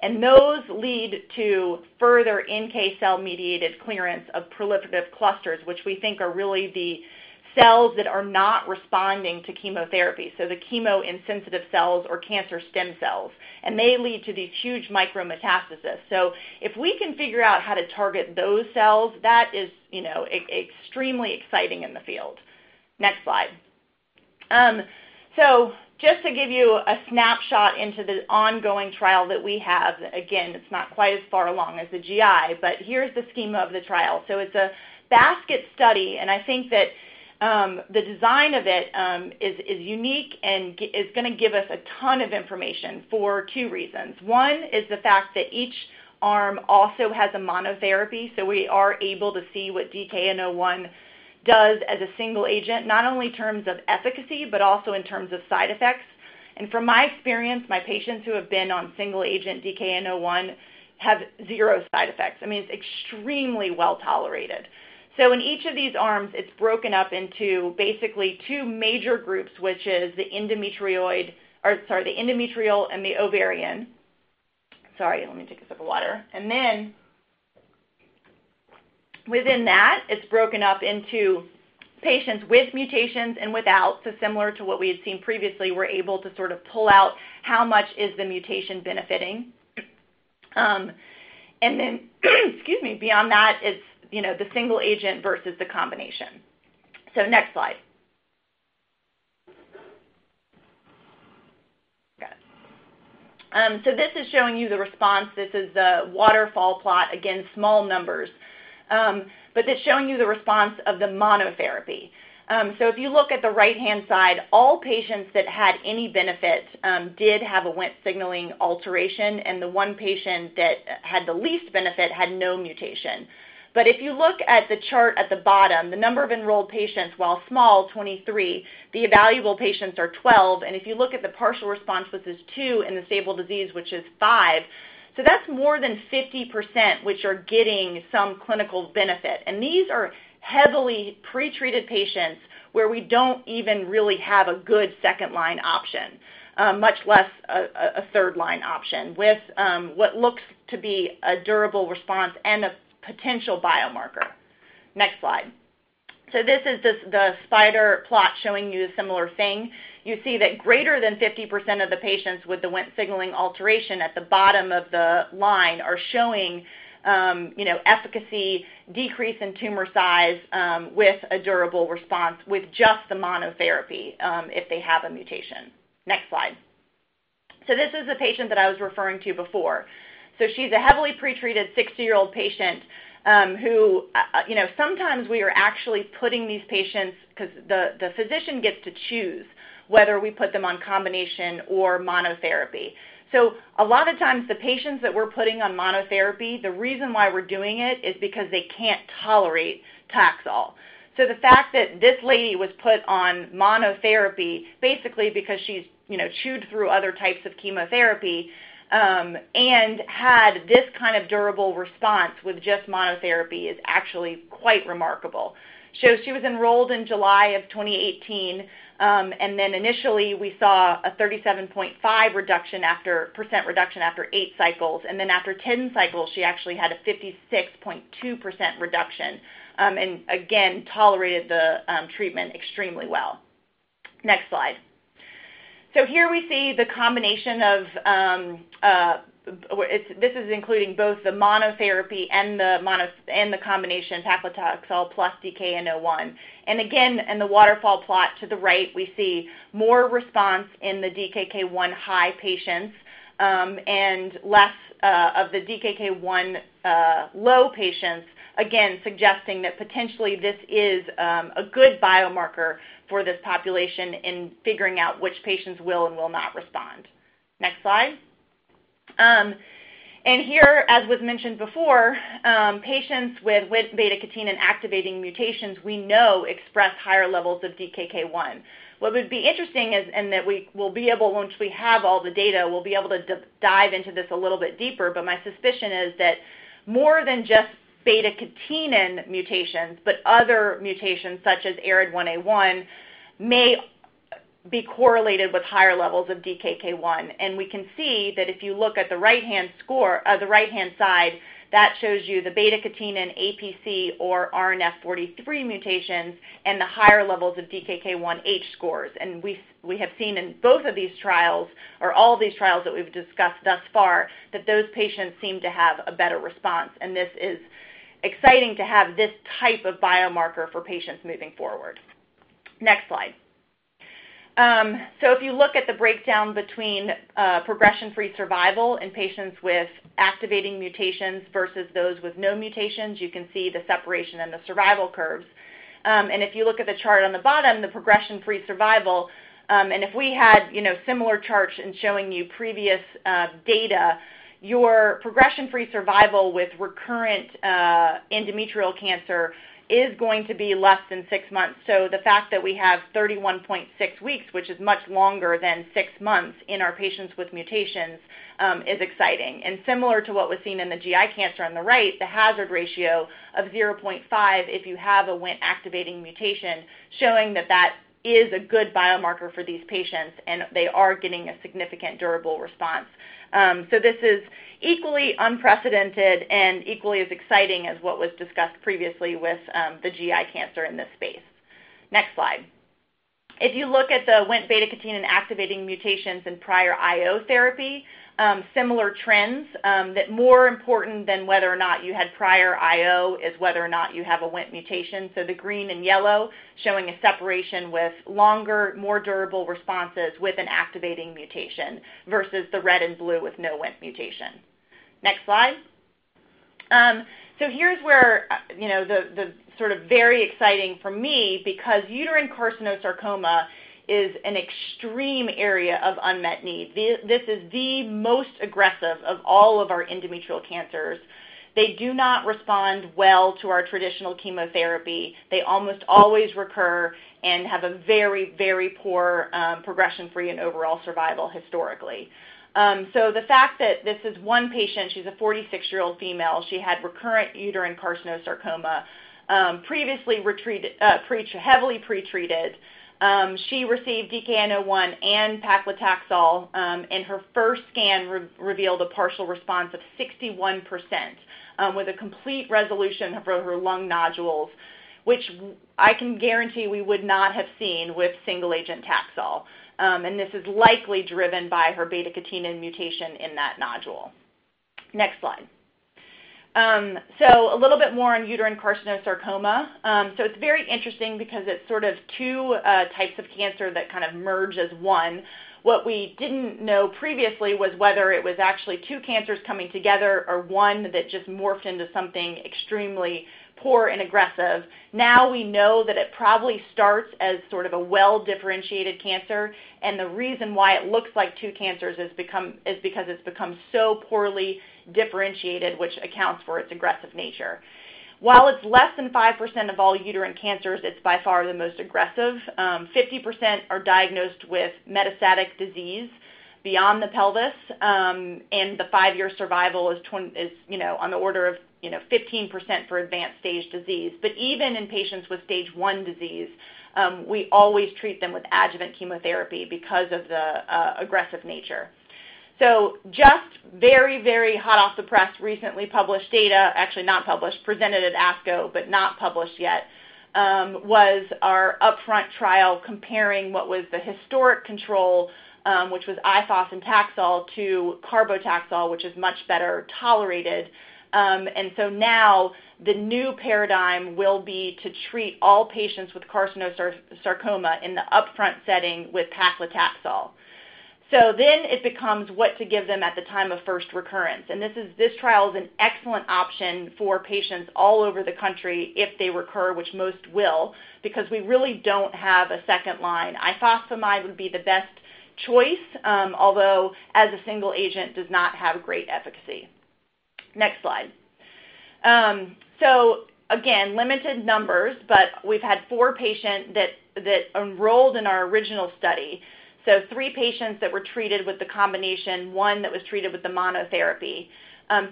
and those lead to further NK cell-mediated clearance of proliferative clusters, which we think are really the cells that are not responding to chemotherapy, so the chemo-insensitive cells or cancer stem cells, and they lead to these huge micrometastasis. If we can figure out how to target those cells, that is extremely exciting in the field. Next slide. Just to give you a snapshot into the ongoing trial that we have, again, it's not quite as far along as the GI, but here's the scheme of the trial. It's a basket study, and I think that the design of it is unique and is going to give us a ton of information for two reasons. One is the fact that each arm also has a monotherapy, so we are able to see what DKN-01 does as a single agent, not only in terms of efficacy, but also in terms of side effects. From my experience, my patients who have been on single agent DKN-01 have zero side effects. It's extremely well-tolerated. In each of these arms, it's broken up into basically two major groups, which is the endometrial and the ovarian. Sorry, let me take a sip of water. Within that, it's broken up into patients with mutations and without. Similar to what we had seen previously, we're able to pull out how much is the mutation benefiting. Excuse me, beyond that, it's the single agent versus the combination. Next slide. Got it. This is showing you the response. This is the waterfall plot, again, small numbers. It's showing you the response of the monotherapy. If you look at the right-hand side, all patients that had any benefit did have a Wnt signaling alteration, and the one patient that had the least benefit had no mutation. If you look at the chart at the bottom, the number of enrolled patients, while small, 23, the evaluable patients are 12, and if you look at the partial response, which is two, and the stable disease, which is five, so that's more than 50% which are getting some clinical benefit. These are heavily pre-treated patients where we don't even really have a good second-line option, much less a third-line option, with what looks to be a durable response and a potential biomarker. Next slide. This is the spider plot showing you a similar thing. You see that greater than 50% of the patients with the Wnt signaling alteration at the bottom of the line are showing efficacy, decrease in tumor size with a durable response with just the monotherapy, if they have a mutation. Next slide. This is a patient that I was referring to before. She's a heavily pre-treated 60-year-old patient. Sometimes we are actually putting these patients, because the physician gets to choose whether we put them on combination or monotherapy. A lot of times, the patients that we're putting on monotherapy, the reason why we're doing it is because they can't tolerate Taxol. The fact that this lady was put on monotherapy, basically because she's chewed through other types of chemotherapy, and had this kind of durable response with just monotherapy, is actually quite remarkable. Shows she was enrolled in July of 2018, and then initially, we saw a 37.5% reduction after eight cycles, and then after 10 cycles, she actually had a 56.2% reduction. Again, tolerated the treatment extremely well. Next slide. Here we see the combination. This is including both the monotherapy and the combination paclitaxel plus DKN-01. Again, in the waterfall plot to the right, we see more response in the DKK-1 high patients, and less of the DKK-1 low patients, again, suggesting that potentially this is a good biomarker for this population in figuring out which patients will and will not respond. Next slide. Here, as was mentioned before, patients with beta-catenin activating mutations, we know express higher levels of DKK-1. What would be interesting is, and that we will be able, once we have all the data, we'll be able to dive into this a little bit deeper, but my suspicion is that more than just beta-catenin mutations, but other mutations such as ARID1A, may be correlated with higher levels of DKK-1. We can see that if you look at the right-hand side, that shows you the beta-catenin APC or RNF43 mutations, and the higher levels of DKK-1 H-scores. We have seen in both of these trials, or all of these trials that we've discussed thus far, that those patients seem to have a better response, and this is exciting to have this type of biomarker for patients moving forward. Next slide. If you look at the breakdown between progression-free survival in patients with activating mutations versus those with no mutations, you can see the separation in the survival curves. If you look at the chart on the bottom, the progression-free survival, and if we had similar charts in showing you previous data, your progression-free survival with recurrent endometrial cancer is going to be less than six months. The fact that we have 31.6 weeks, which is much longer than six months, in our patients with mutations, is exciting. Similar to what was seen in the GI cancer on the right, the hazard ratio of 0.5 if you have a Wnt activating mutation, showing that that is a good biomarker for these patients, and they are getting a significant, durable response. This is equally unprecedented and equally as exciting as what was discussed previously with the GI cancer in this space. Next slide. If you look at the Wnt beta-catenin activating mutations in prior IO therapy, similar trends, that more important than whether or not you had prior IO is whether or not you have a Wnt mutation. The green and yellow showing a separation with longer, more durable responses with an activating mutation versus the red and blue with no Wnt mutation. Next slide. Here's where the sort of very exciting for me, because uterine carcinosarcoma is an extreme area of unmet need. This is the most aggressive of all of our endometrial cancers. They do not respond well to our traditional chemotherapy. They almost always recur and have a very poor progression-free and overall survival historically. The fact that this is one patient, she's a 46-year-old female. She had recurrent uterine carcinosarcoma, previously heavily pre-treated. She received DKN-01 and paclitaxel, and her first scan revealed a partial response of 61% with a complete resolution of her lung nodules, which I can guarantee we would not have seen with single-agent Taxol. This is likely driven by her beta-catenin mutation in that nodule. Next slide. A little bit more on uterine carcinosarcoma. It's very interesting because it's sort of two types of cancer that kind of merge as one. What we didn't know previously was whether it was actually two cancers coming together or one that just morphed into something extremely poor and aggressive. We know that it probably starts as sort of a well-differentiated cancer. The reason why it looks like two cancers is because it's become so poorly differentiated, which accounts for its aggressive nature. While it's less than 5% of all uterine cancers, it's by far the most aggressive. 50% are diagnosed with metastatic disease beyond the pelvis. The five-year survival is on the order of 15% for advanced stage disease. Even in patients with stage 1 disease, we always treat them with adjuvant chemotherapy because of the aggressive nature. Just very, very hot off the press, recently published data, actually not published, presented at ASCO, but not published yet, was our upfront trial comparing what was the historic control, which was IFOS and Taxol, to CarboTaxol, which is much better tolerated. Now the new paradigm will be to treat all patients with carcinosarcoma in the upfront setting with paclitaxel. Then it becomes what to give them at the time of first recurrence. This trial is an excellent option for patients all over the country if they recur, which most will, because we really don't have a second line. Ifosfamide would be the best choice, although as a single agent does not have great efficacy. Next slide. Again, limited numbers, but we've had four patients that enrolled in our original study. Three patients that were treated with the combination, one that was treated with the monotherapy.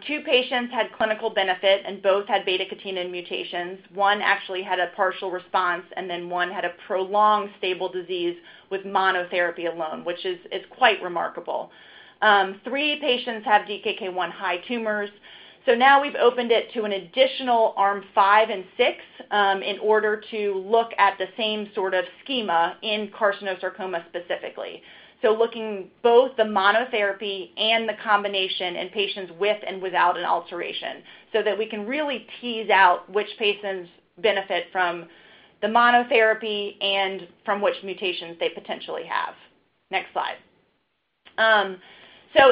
Two patients had clinical benefit and both had beta-catenin mutations. One actually had a partial response, and then one had a prolonged stable disease with monotherapy alone, which is quite remarkable. Three patients have DKK-1 high tumors. Now we've opened it to an additional arm V and VI, in order to look at the same sort of schema in carcinosarcoma specifically. Looking both the monotherapy and the combination in patients with and without an alteration so that we can really tease out which patients benefit from the monotherapy and from which mutations they potentially have. Next slide.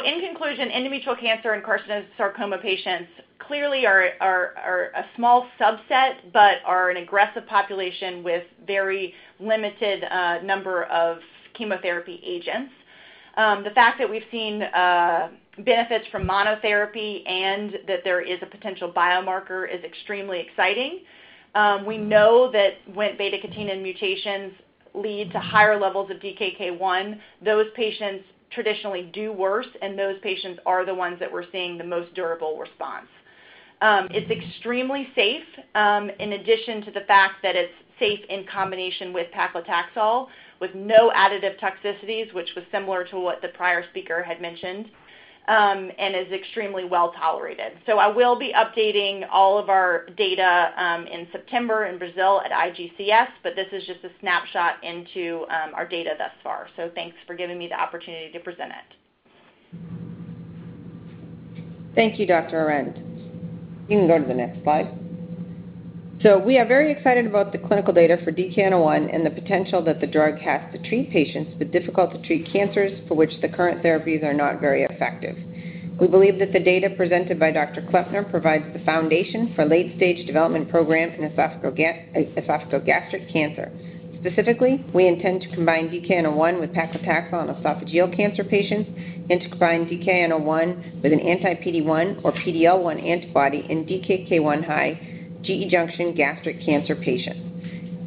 In conclusion, endometrial cancer and carcinosarcoma patients clearly are a small subset, but are an aggressive population with very limited number of chemotherapy agents. The fact that we've seen benefits from monotherapy and that there is a potential biomarker is extremely exciting. We know that when beta-catenin mutations lead to higher levels of DKK-1, those patients traditionally do worse, and those patients are the ones that we're seeing the most durable response. It's extremely safe, in addition to the fact that it's safe in combination with paclitaxel with no additive toxicities, which was similar to what the prior speaker had mentioned, and is extremely well-tolerated. I will be updating all of our data in September in Brazil at IGCS, but this is just a snapshot into our data thus far. Thanks for giving me the opportunity to present it. Thank you, Dr. Arend. You can go to the next slide. We are very excited about the clinical data for DKN-01 and the potential that the drug has to treat patients with difficult-to-treat cancers for which the current therapies are not very effective. We believe that the data presented by Dr. Klempner provides the foundation for late-stage development programs in esophageal gastric cancer. Specifically, we intend to combine DKN-01 with paclitaxel in esophageal cancer patients and to combine DKN-01 with an anti-PD-1 or PD-L1 antibody in DKK-1 high GE junction gastric cancer patients.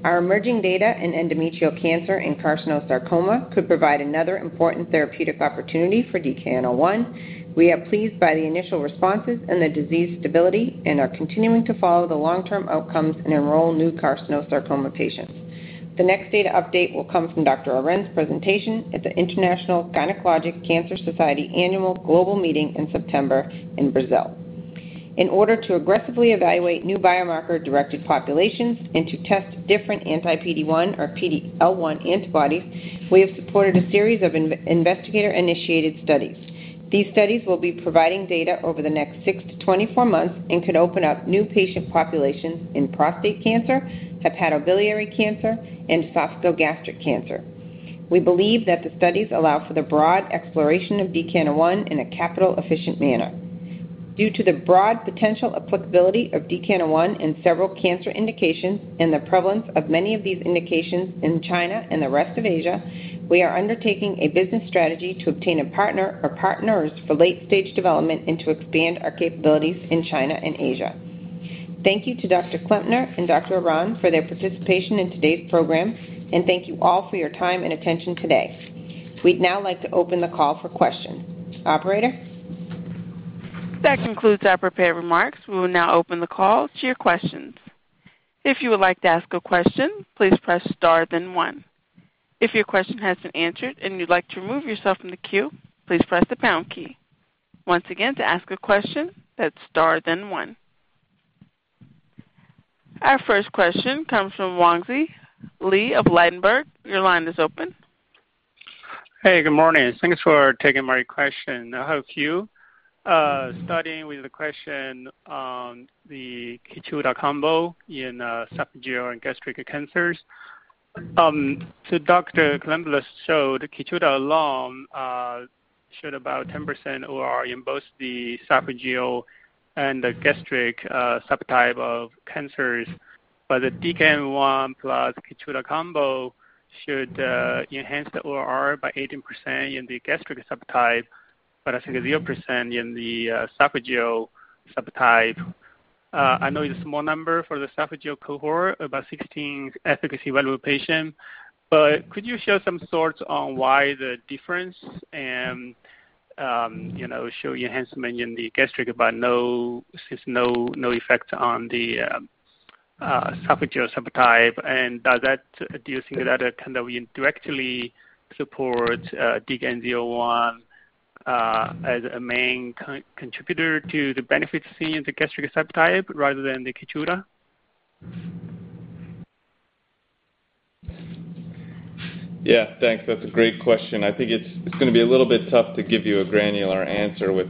Our emerging data in endometrial cancer and carcinosarcoma could provide another important therapeutic opportunity for DKN-01. We are pleased by the initial responses and the disease stability and are continuing to follow the long-term outcomes and enroll new carcinosarcoma patients. The next data update will come from Dr. Arend's presentation at the International Gynecologic Cancer Society Annual Global Meeting in September in Brazil. In order to aggressively evaluate new biomarker-directed populations and to test different anti-PD-1 or PD-L1 antibodies, we have supported a series of investigator-initiated studies. These studies will be providing data over the next six to 24 months and could open up new patient populations in prostate cancer, hepatobiliary cancer, and esophagogastric cancer. We believe that the studies allow for the broad exploration of DKN-01 in a capital-efficient manner. Due to the broad potential applicability of DKN-01 in several cancer indications and the prevalence of many of these indications in China and the rest of Asia, we are undertaking a business strategy to obtain a partner or partners for late-stage development and to expand our capabilities in China and Asia. Thank you to Dr. Klempner and Dr. Arend for their participation in today's program. Thank you all for your time and attention today. We'd now like to open the call for questions. Operator? That concludes our prepared remarks. We will now open the call to your questions. If you would like to ask a question, please press star then one. If your question has been answered and you'd like to remove yourself from the queue, please press the pound key. Once again, to ask a question, that's star then one. Our first question comes from Wangzhi Li of Ladenburg. Your line is open. Hey, good morning. Thanks for taking my question. How are you? Starting with the question on the KEYTRUDA combo in esophageal and gastric cancers. Dr. Klempner showed KEYTRUDA alone showed about 10% OR in both the esophageal and the gastric subtype of cancers. The DKN-01 plus KEYTRUDA combo should enhance the OR by 18% in the gastric subtype, but I think 0% in the esophageal subtype. I know it's a small number for the esophageal cohort, about 16 efficacy evaluable patient. Could you share some thoughts on why the difference and show enhancement in the gastric but no effect on the esophageal subtype? Do you think that kind of indirectly supports DKN-01 as a main contributor to the benefit seen in the gastric subtype rather than the KEYTRUDA? Yeah, thanks. That's a great question. I think it's going to be a little bit tough to give you a granular answer with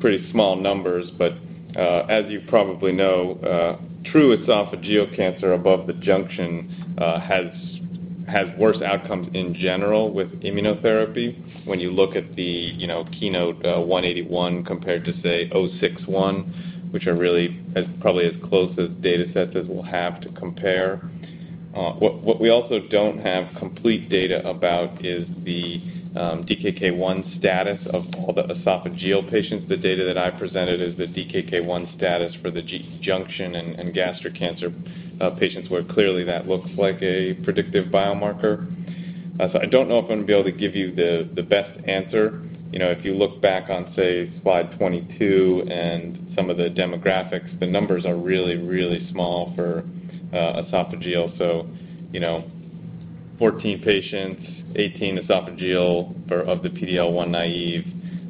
pretty small numbers, but as you probably know, true esophageal cancer above the junction has worse outcomes in general with immunotherapy. When you look at the KEYNOTE-181 compared to, say, 061, which are really probably as close a data set as we'll have to compare. What we also don't have complete data about is the DKK-1 status of all the esophageal patients. The data that I presented is the DKK-1 status for the GE junction and gastric cancer patients, where clearly that looks like a predictive biomarker. I don't know if I'm going to be able to give you the best answer. If you look back on, say, slide 22 and some of the demographics, the numbers are really, really small for esophageal. 14 patients, 18 esophageal of the PD-L1 naive,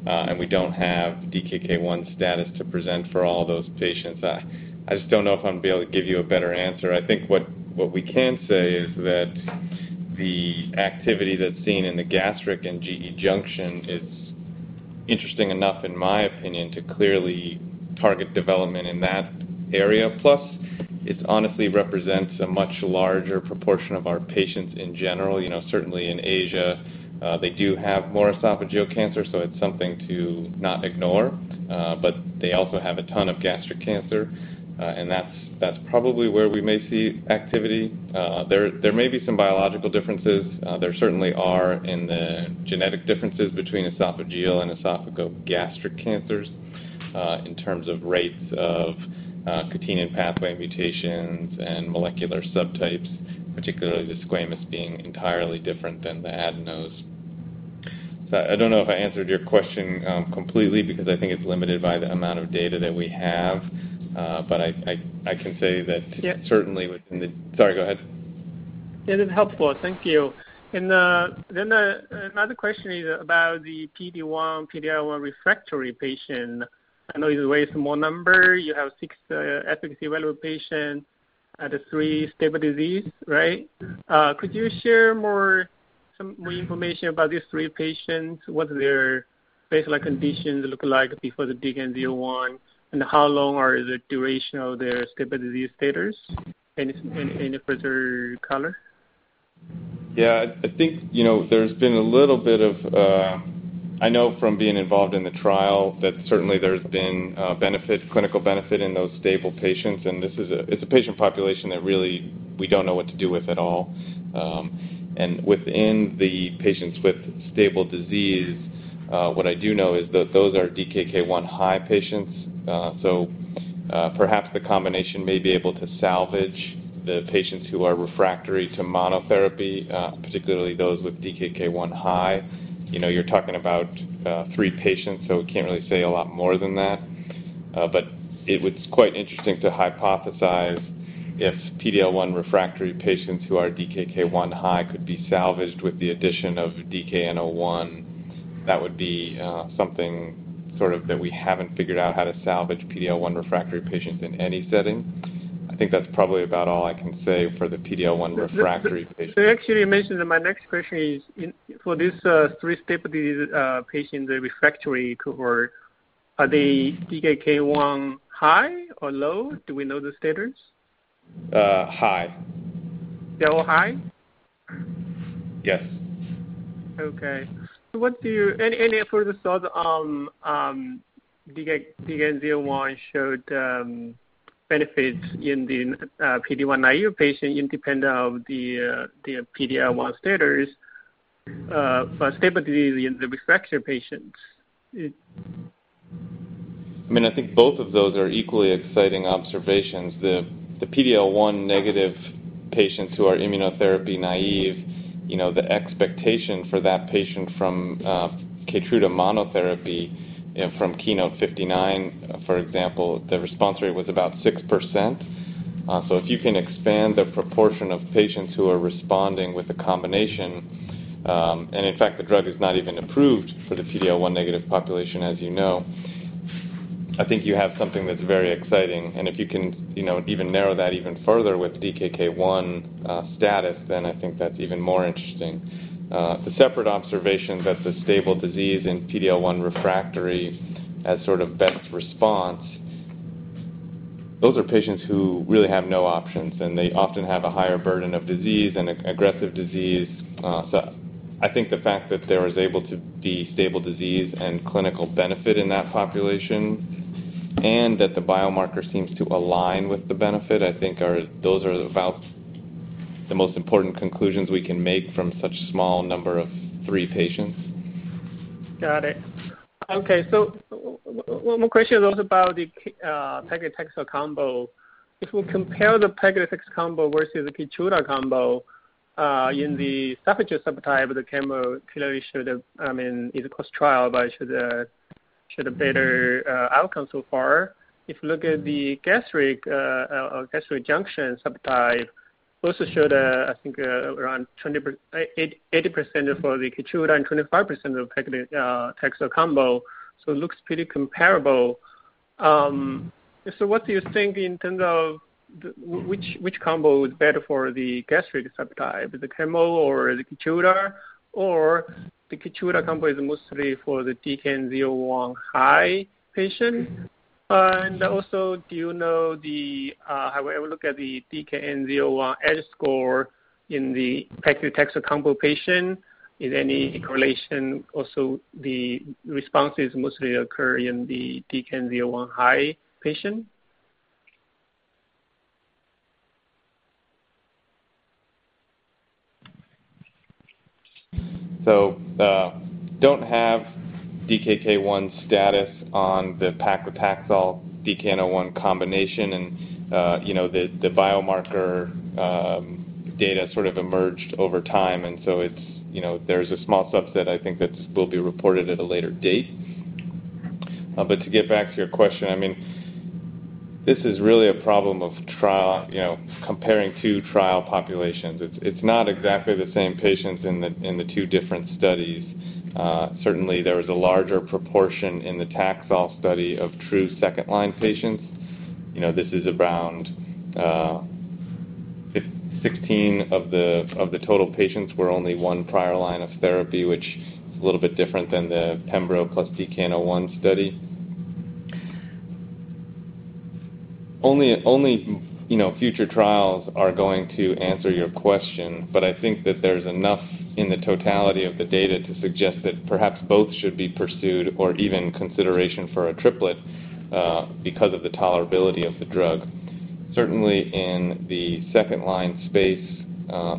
and we don't have DKK-1 status to present for all those patients. I just don't know if I'm going to be able to give you a better answer. I think what we can say is that the activity that's seen in the gastric and GE junction is interesting enough, in my opinion, to clearly target development in that area. Plus, it honestly represents a much larger proportion of our patients in general. Certainly in Asia, they do have more esophageal cancer, so it's something to not ignore. They also have a ton of gastric cancer, and that's probably where we may see activity. There may be some biological differences. There certainly are in the genetic differences between esophageal and esophagogastric cancers in terms of rates of cadherin pathway mutations and molecular subtypes, particularly the squamous being entirely different than the adenos. I don't know if I answered your question completely because I think it's limited by the amount of data that we have. Yeah certainly. Sorry, go ahead. Yeah, it's helpful. Thank you. Another question is about the PD-1, PD-L1 refractory patient. I know it's always a small number. You have six efficacy evaluable patients out of three stable disease, right? Could you share more information about these three patients? What their baseline conditions look like before the DKN-01, and how long or the duration of their stable disease status? Any further color? Yeah, I know from being involved in the trial that certainly there's been clinical benefit in those stable patients, and it's a patient population that really we don't know what to do with at all. Within the patients with stable disease. What I do know is that those are DKK-1 high patients. Perhaps the combination may be able to salvage the patients who are refractory to monotherapy, particularly those with DKK-1 high. You're talking about three patients, so we can't really say a lot more than that. It's quite interesting to hypothesize if PD-L1 refractory patients who are DKK-1 high could be salvaged with the addition of DKN-01. That would be something that we haven't figured out how to salvage PD-L1 refractory patients in any setting. I think that's probably about all I can say for the PD-L1 refractory patients. You actually mentioned, and my next question is: for these three stable disease patients, the refractory cohort, are they DKK-1 high or low? Do we know the status? High. They're all high? Yes. Okay. Any further thoughts on DKN-01 showed benefits in the PD-1 naive patient, independent of the PD-L1 status, but stable disease in the refractory patients? I think both of those are equally exciting observations. The PD-L1 negative patients who are immunotherapy naive, the expectation for that patient from KEYTRUDA monotherapy from KEYNOTE-059, for example, the response rate was about 6%. If you can expand the proportion of patients who are responding with the combination, and in fact, the drug is not even approved for the PD-L1 negative population, as you know, I think you have something that's very exciting. If you can even narrow that even further with DKK-1 status, then I think that's even more interesting. The separate observation that the stable disease in PD-L1 refractory as sort of best response, those are patients who really have no options, and they often have a higher burden of disease and aggressive disease. I think the fact that there was able to be stable disease and clinical benefit in that population and that the biomarker seems to align with the benefit, I think those are about the most important conclusions we can make from such small number of three patients. Got it. Okay. One more question also about the paclitaxel combo. If we compare the paclitaxel combo versus the KEYTRUDA combo, in the esophagus subtype, the chemo clearly showed-- it's a cross-trial, but it showed a better outcome so far. If you look at the gastric or gastro junction subtype, also showed, I think around 80% for the KEYTRUDA and 25% of paclitaxel combo. It looks pretty comparable. What do you think in terms of which combo is better for the gastric subtype, the chemo or the KEYTRUDA? The KEYTRUDA combo is mostly for the DKN-01 high patient? Also, do you know, have ever looked at the DKN-01 score in the paclitaxel combo patient? Is any correlation also the responses mostly occur in the DKN-01 high patient? Don't have DKK-1 status on the paclitaxel DKN-01 combination, the biomarker data sort of emerged over time, there's a small subset I think that will be reported at a later date. To get back to your question, this is really a problem of comparing two trial populations. It's not exactly the same patients in the two different studies. Certainly, there was a larger proportion in the Taxol study of true second-line patients. This is around 16 of the total patients were only one prior line of therapy, which is a little bit different than the pembro plus DKN-01 study. Only future trials are going to answer your question, I think that there's enough in the totality of the data to suggest that perhaps both should be pursued or even consideration for a triplet because of the tolerability of the drug. In the second-line space,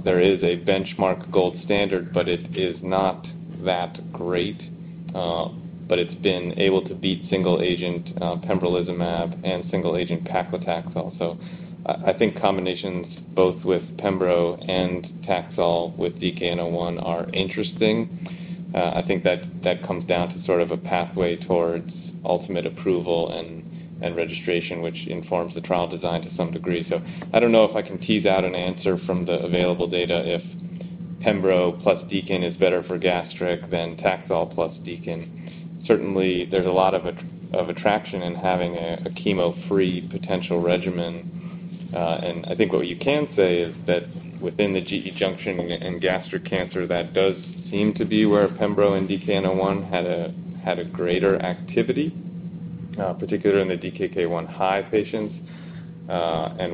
there is a benchmark gold standard, it is not that great. It's been able to beat single-agent pembrolizumab and single-agent paclitaxel. I think combinations both with pembro and Taxol with DKN-01 are interesting. I think that comes down to sort of a pathway towards ultimate approval and registration, which informs the trial design to some degree. I don't know if I can tease out an answer from the available data if pembro plus DKN-01 is better for gastric than Taxol plus DKN-01. There's a lot of attraction in having a chemo-free potential regimen. I think what you can say is that within the GE junction and gastric cancer, that does seem to be where pembro and DKN-01 had a greater activity, particularly in the DKK-1 high patients.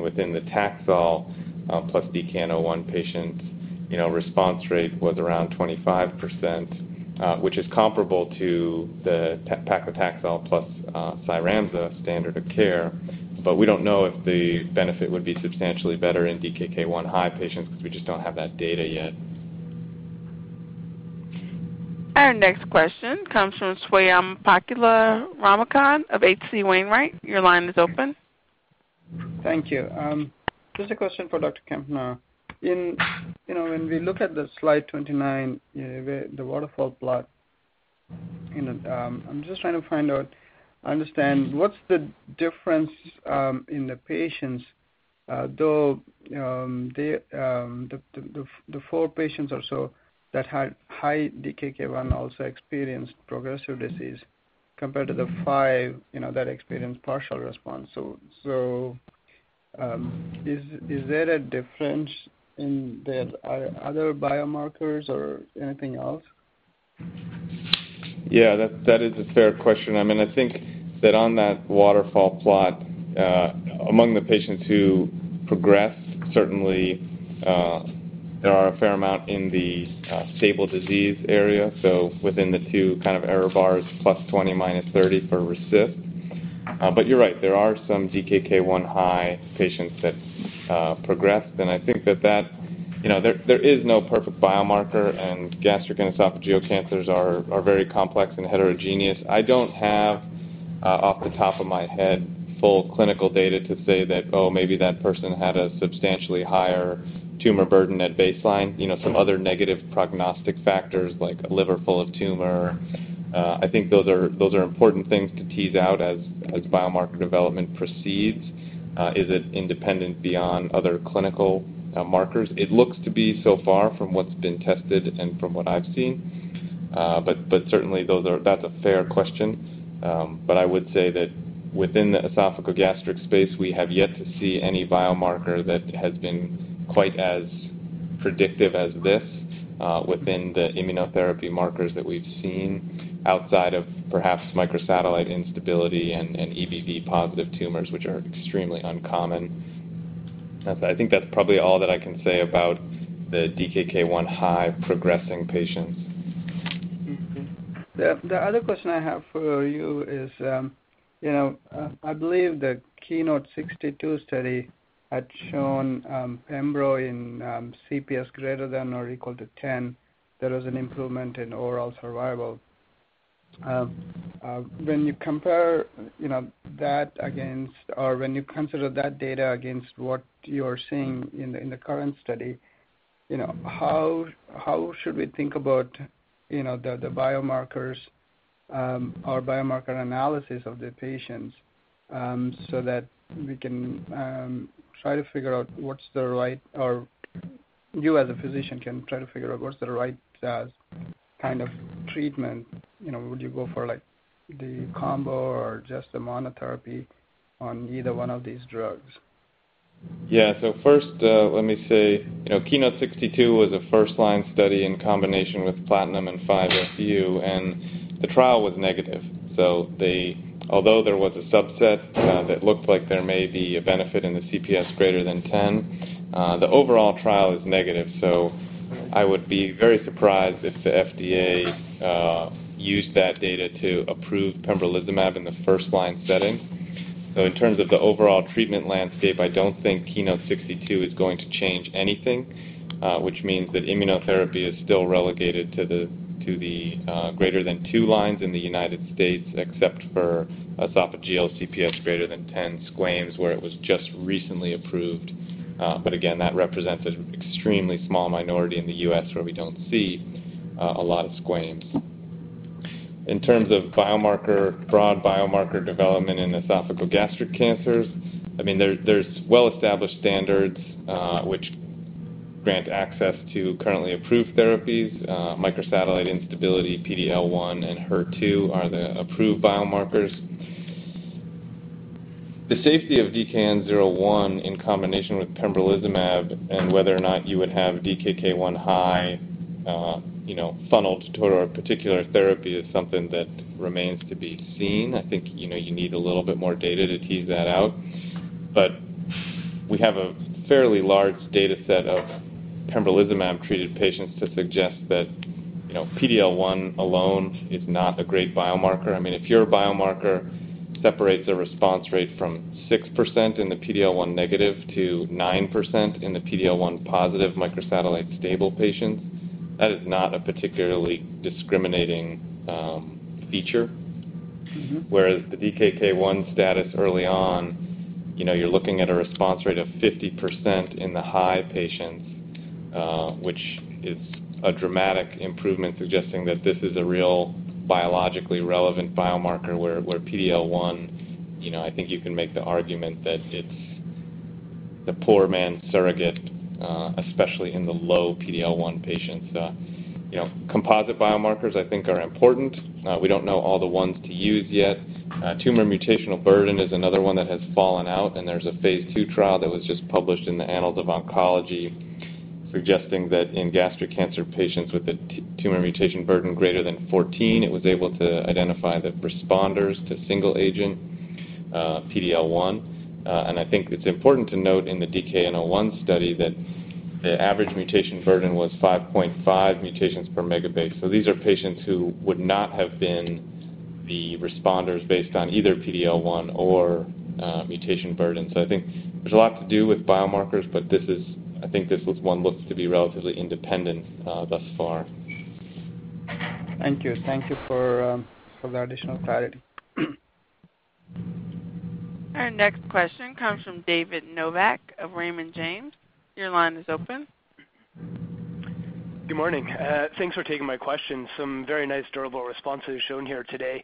Within the Taxol plus DKN-01 patients, response rate was around 25%, which is comparable to the paclitaxel plus CYRAMZA standard of care. We don't know if the benefit would be substantially better in DKK-1 high patients because we just don't have that data yet. Our next question comes from Swayampakula Ramakanth of H.C. Wainwright. Your line is open. Thank you. Just a question for Dr. Klempner. When we look at the slide 29, the waterfall plot, I'm just trying to find out, understand what's the difference in the patients. The four patients or so that had high DKK-1 also experienced progressive disease compared to the five that experienced partial response. Is there a difference in the other biomarkers or anything else? Yeah, that is a fair question. I think that on that waterfall plot, among the patients who progress, certainly there are a fair amount in the stable disease area. Within the two error bars, +20, -30 for RECIST. You're right, there are some DKK-1 high patients that progressed, and I think that there is no perfect biomarker, and gastric and esophageal cancers are very complex and heterogeneous. I don't have, off the top of my head, full clinical data to say that, "Oh, maybe that person had a substantially higher tumor burden at baseline." Some other negative prognostic factors like a liver full of tumor. I think those are important things to tease out as biomarker development proceeds. Is it independent beyond other clinical markers? It looks to be so far from what's been tested and from what I've seen. Certainly, that's a fair question. I would say that within the esophageal gastric space, we have yet to see any biomarker that has been quite as predictive as this within the immunotherapy markers that we've seen, outside of perhaps microsatellite instability and EBV positive tumors, which are extremely uncommon. I think that's probably all that I can say about the DKK-1 high progressing patients. Okay. The other question I have for you is, I believe the KEYNOTE-062 study had shown pembro in CPS greater than or equal to 10, there was an improvement in overall survival. When you consider that data against what you're seeing in the current study, how should we think about the biomarkers or biomarker analysis of the patients so that we can try to figure out or you as a physician can try to figure out what's the right kind of treatment? Would you go for the combo or just the monotherapy on either one of these drugs? Yeah. First, let me say, KEYNOTE-062 was a first-line study in combination with platinum and 5-FU. The trial was negative. Although there was a subset that looked like there may be a benefit in the CPS greater than 10, the overall trial is negative. I would be very surprised if the FDA used that data to approve pembrolizumab in the first-line setting. In terms of the overall treatment landscape, I don't think KEYNOTE-062 is going to change anything, which means that immunotherapy is still relegated to the greater than two lines in the United States, except for esophageal CPS greater than 10 squams, where it was just recently approved. Again, that represents an extremely small minority in the U.S. where we don't see a lot of squams. In terms of broad biomarker development in esophageal gastric cancers, there's well-established standards which grant access to currently approved therapies. Microsatellite instability, PD-L1, and HER2 are the approved biomarkers. The safety of DKN-01 in combination with pembrolizumab and whether or not you would have DKK-1 high funneled toward a particular therapy is something that remains to be seen. I think you need a little bit more data to tease that out. We have a fairly large data set of pembrolizumab-treated patients to suggest that PD-L1 alone is not a great biomarker. If your biomarker separates a response rate from 6% in the PD-L1 negative to 9% in the PD-L1 positive microsatellite stable patients, that is not a particularly discriminating feature. Whereas the DKK-1 status early on, you're looking at a response rate of 50% in the high patients, which is a dramatic improvement, suggesting that this is a real biologically relevant biomarker where PD-L1, I think you can make the argument that it's the poor man's surrogate, especially in the low PD-L1 patients. Composite biomarkers I think are important. We don't know all the ones to use yet. Tumor mutational burden is another one that has fallen out, and there's a phase II trial that was just published in the "Annals of Oncology" suggesting that in gastric cancer patients with a tumor mutation burden greater than 14, it was able to identify the responders to single agent PD-L1. I think it's important to note in the DKN-01 study that the average mutation burden was 5.5 mutation per megabase. These are patients who would not have been the responders based on either PD-L1 or mutation burden. I think there's a lot to do with biomarkers, but I think this one looks to be relatively independent thus far. Thank you. Thank you for the additional clarity. Our next question comes from David Novak of Raymond James. Your line is open. Good morning. Thanks for taking my question. Some very nice durable responses shown here today.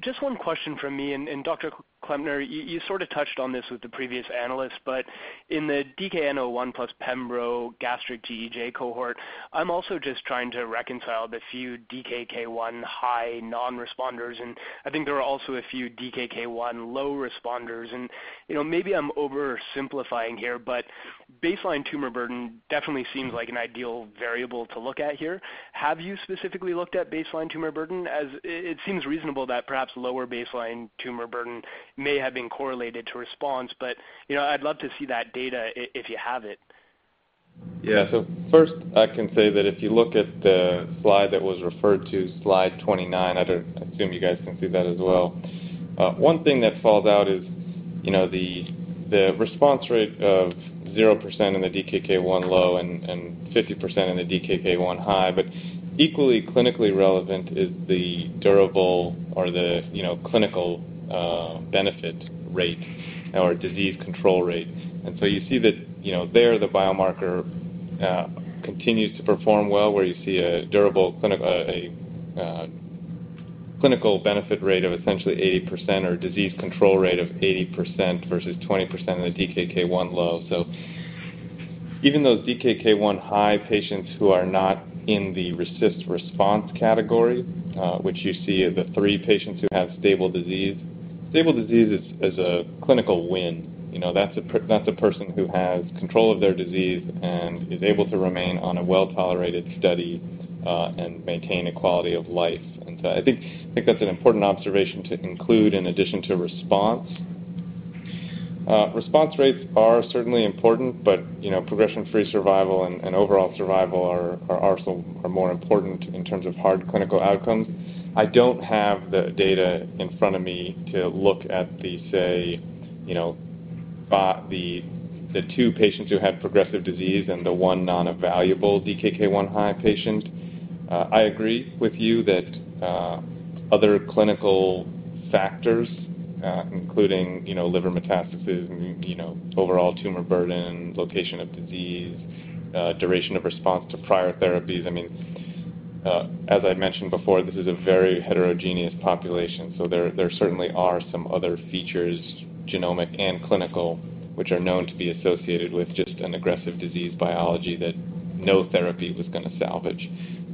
Just one question from me, and Dr. Klempner, you sort of touched on this with the previous analyst, but in the DKN-01 plus pembro gastric GEJ cohort, I'm also just trying to reconcile the few DKK-1 high non-responders, and I think there are also a few DKK-1 low responders. Maybe I'm oversimplifying here, but baseline tumor burden definitely seems like an ideal variable to look at here. Have you specifically looked at baseline tumor burden? As it seems reasonable that perhaps lower baseline tumor burden may have been correlated to response, but I'd love to see that data if you have it. Yeah. First, I can say that if you look at the slide that was referred to, slide 29, I assume you guys can see that as well. One thing that falls out is the response rate of 0% in the DKK-1 low and 50% in the DKK-1 high. Equally clinically relevant is the durable or the clinical benefit rate or disease control rate. You see that there, the biomarker continues to perform well, where you see a durable clinical benefit rate of essentially 80% or disease control rate of 80% versus 20% in the DKK-1 low. Even those DKK-1 high patients who are not in the RECIST response category, which you see are the three patients who have stable disease. Stable disease is a clinical win. That's a person who has control of their disease and is able to remain on a well-tolerated study and maintain a quality of life. I think that's an important observation to include in addition to response. Response rates are certainly important, but progression-free survival and overall survival are more important in terms of hard clinical outcomes. I don't have the data in front of me to look at the two patients who had progressive disease and the one non-evaluable DKK-1 high patient. I agree with you that other clinical factors, including liver metastasis and overall tumor burden, location of disease, duration of response to prior therapies. As I mentioned before, this is a very heterogeneous population. There certainly are some other features, genomic and clinical, which are known to be associated with just an aggressive disease biology that no therapy was going to salvage.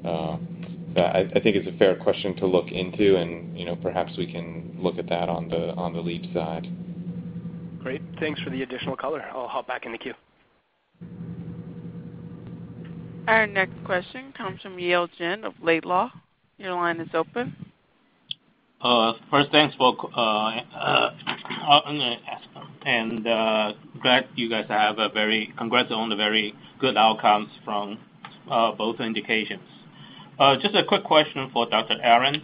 I think it's a fair question to look into and perhaps we can look at that on the Leap side. Great. Thanks for the additional color. I'll hop back in the queue. Our next question comes from Yale Jen of Laidlaw. Your line is open. First, thanks for asking. Congrats on the very good outcomes from both indications. Just a quick question for Dr. Arend.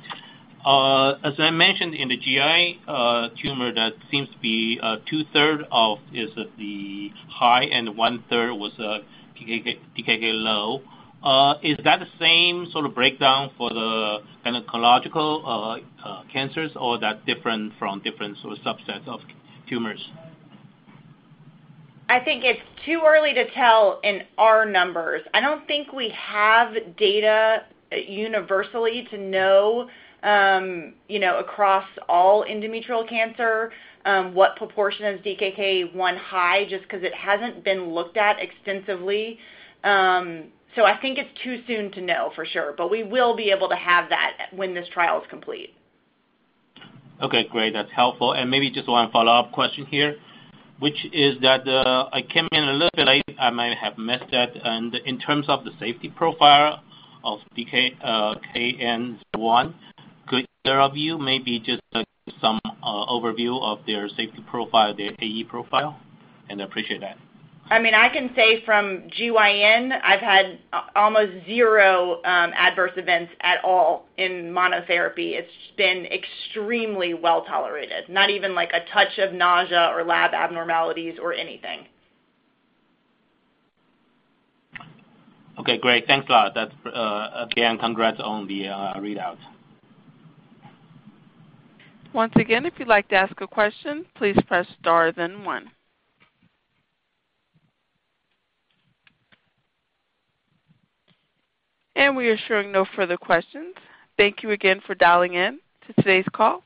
As I mentioned in the GI tumor, that seems to be two-thirds of the high and one-third was DKK-1 low. Is that the same sort of breakdown for the gynecological cancers or that different from different sort of subset of tumors? I think it's too early to tell in our numbers. I don't think we have data universally to know across all endometrial cancer what proportion of DKK-1 high, just because it hasn't been looked at extensively. I think it's too soon to know for sure, but we will be able to have that when this trial is complete. Okay, great. That's helpful. Maybe just one follow-up question here, which is that I came in a little bit late, I might have missed that. In terms of the safety profile of DKN-01, could either of you maybe just give some overview of their safety profile, their AE profile? I appreciate that. I can say from GYN, I've had almost zero adverse events at all in monotherapy. It's been extremely well-tolerated. Not even a touch of nausea or lab abnormalities or anything. Okay, great. Thanks a lot. Again, congrats on the readout. Once again, if you'd like to ask a question, please press star then one. We are showing no further questions. Thank you again for dialing in to today's call.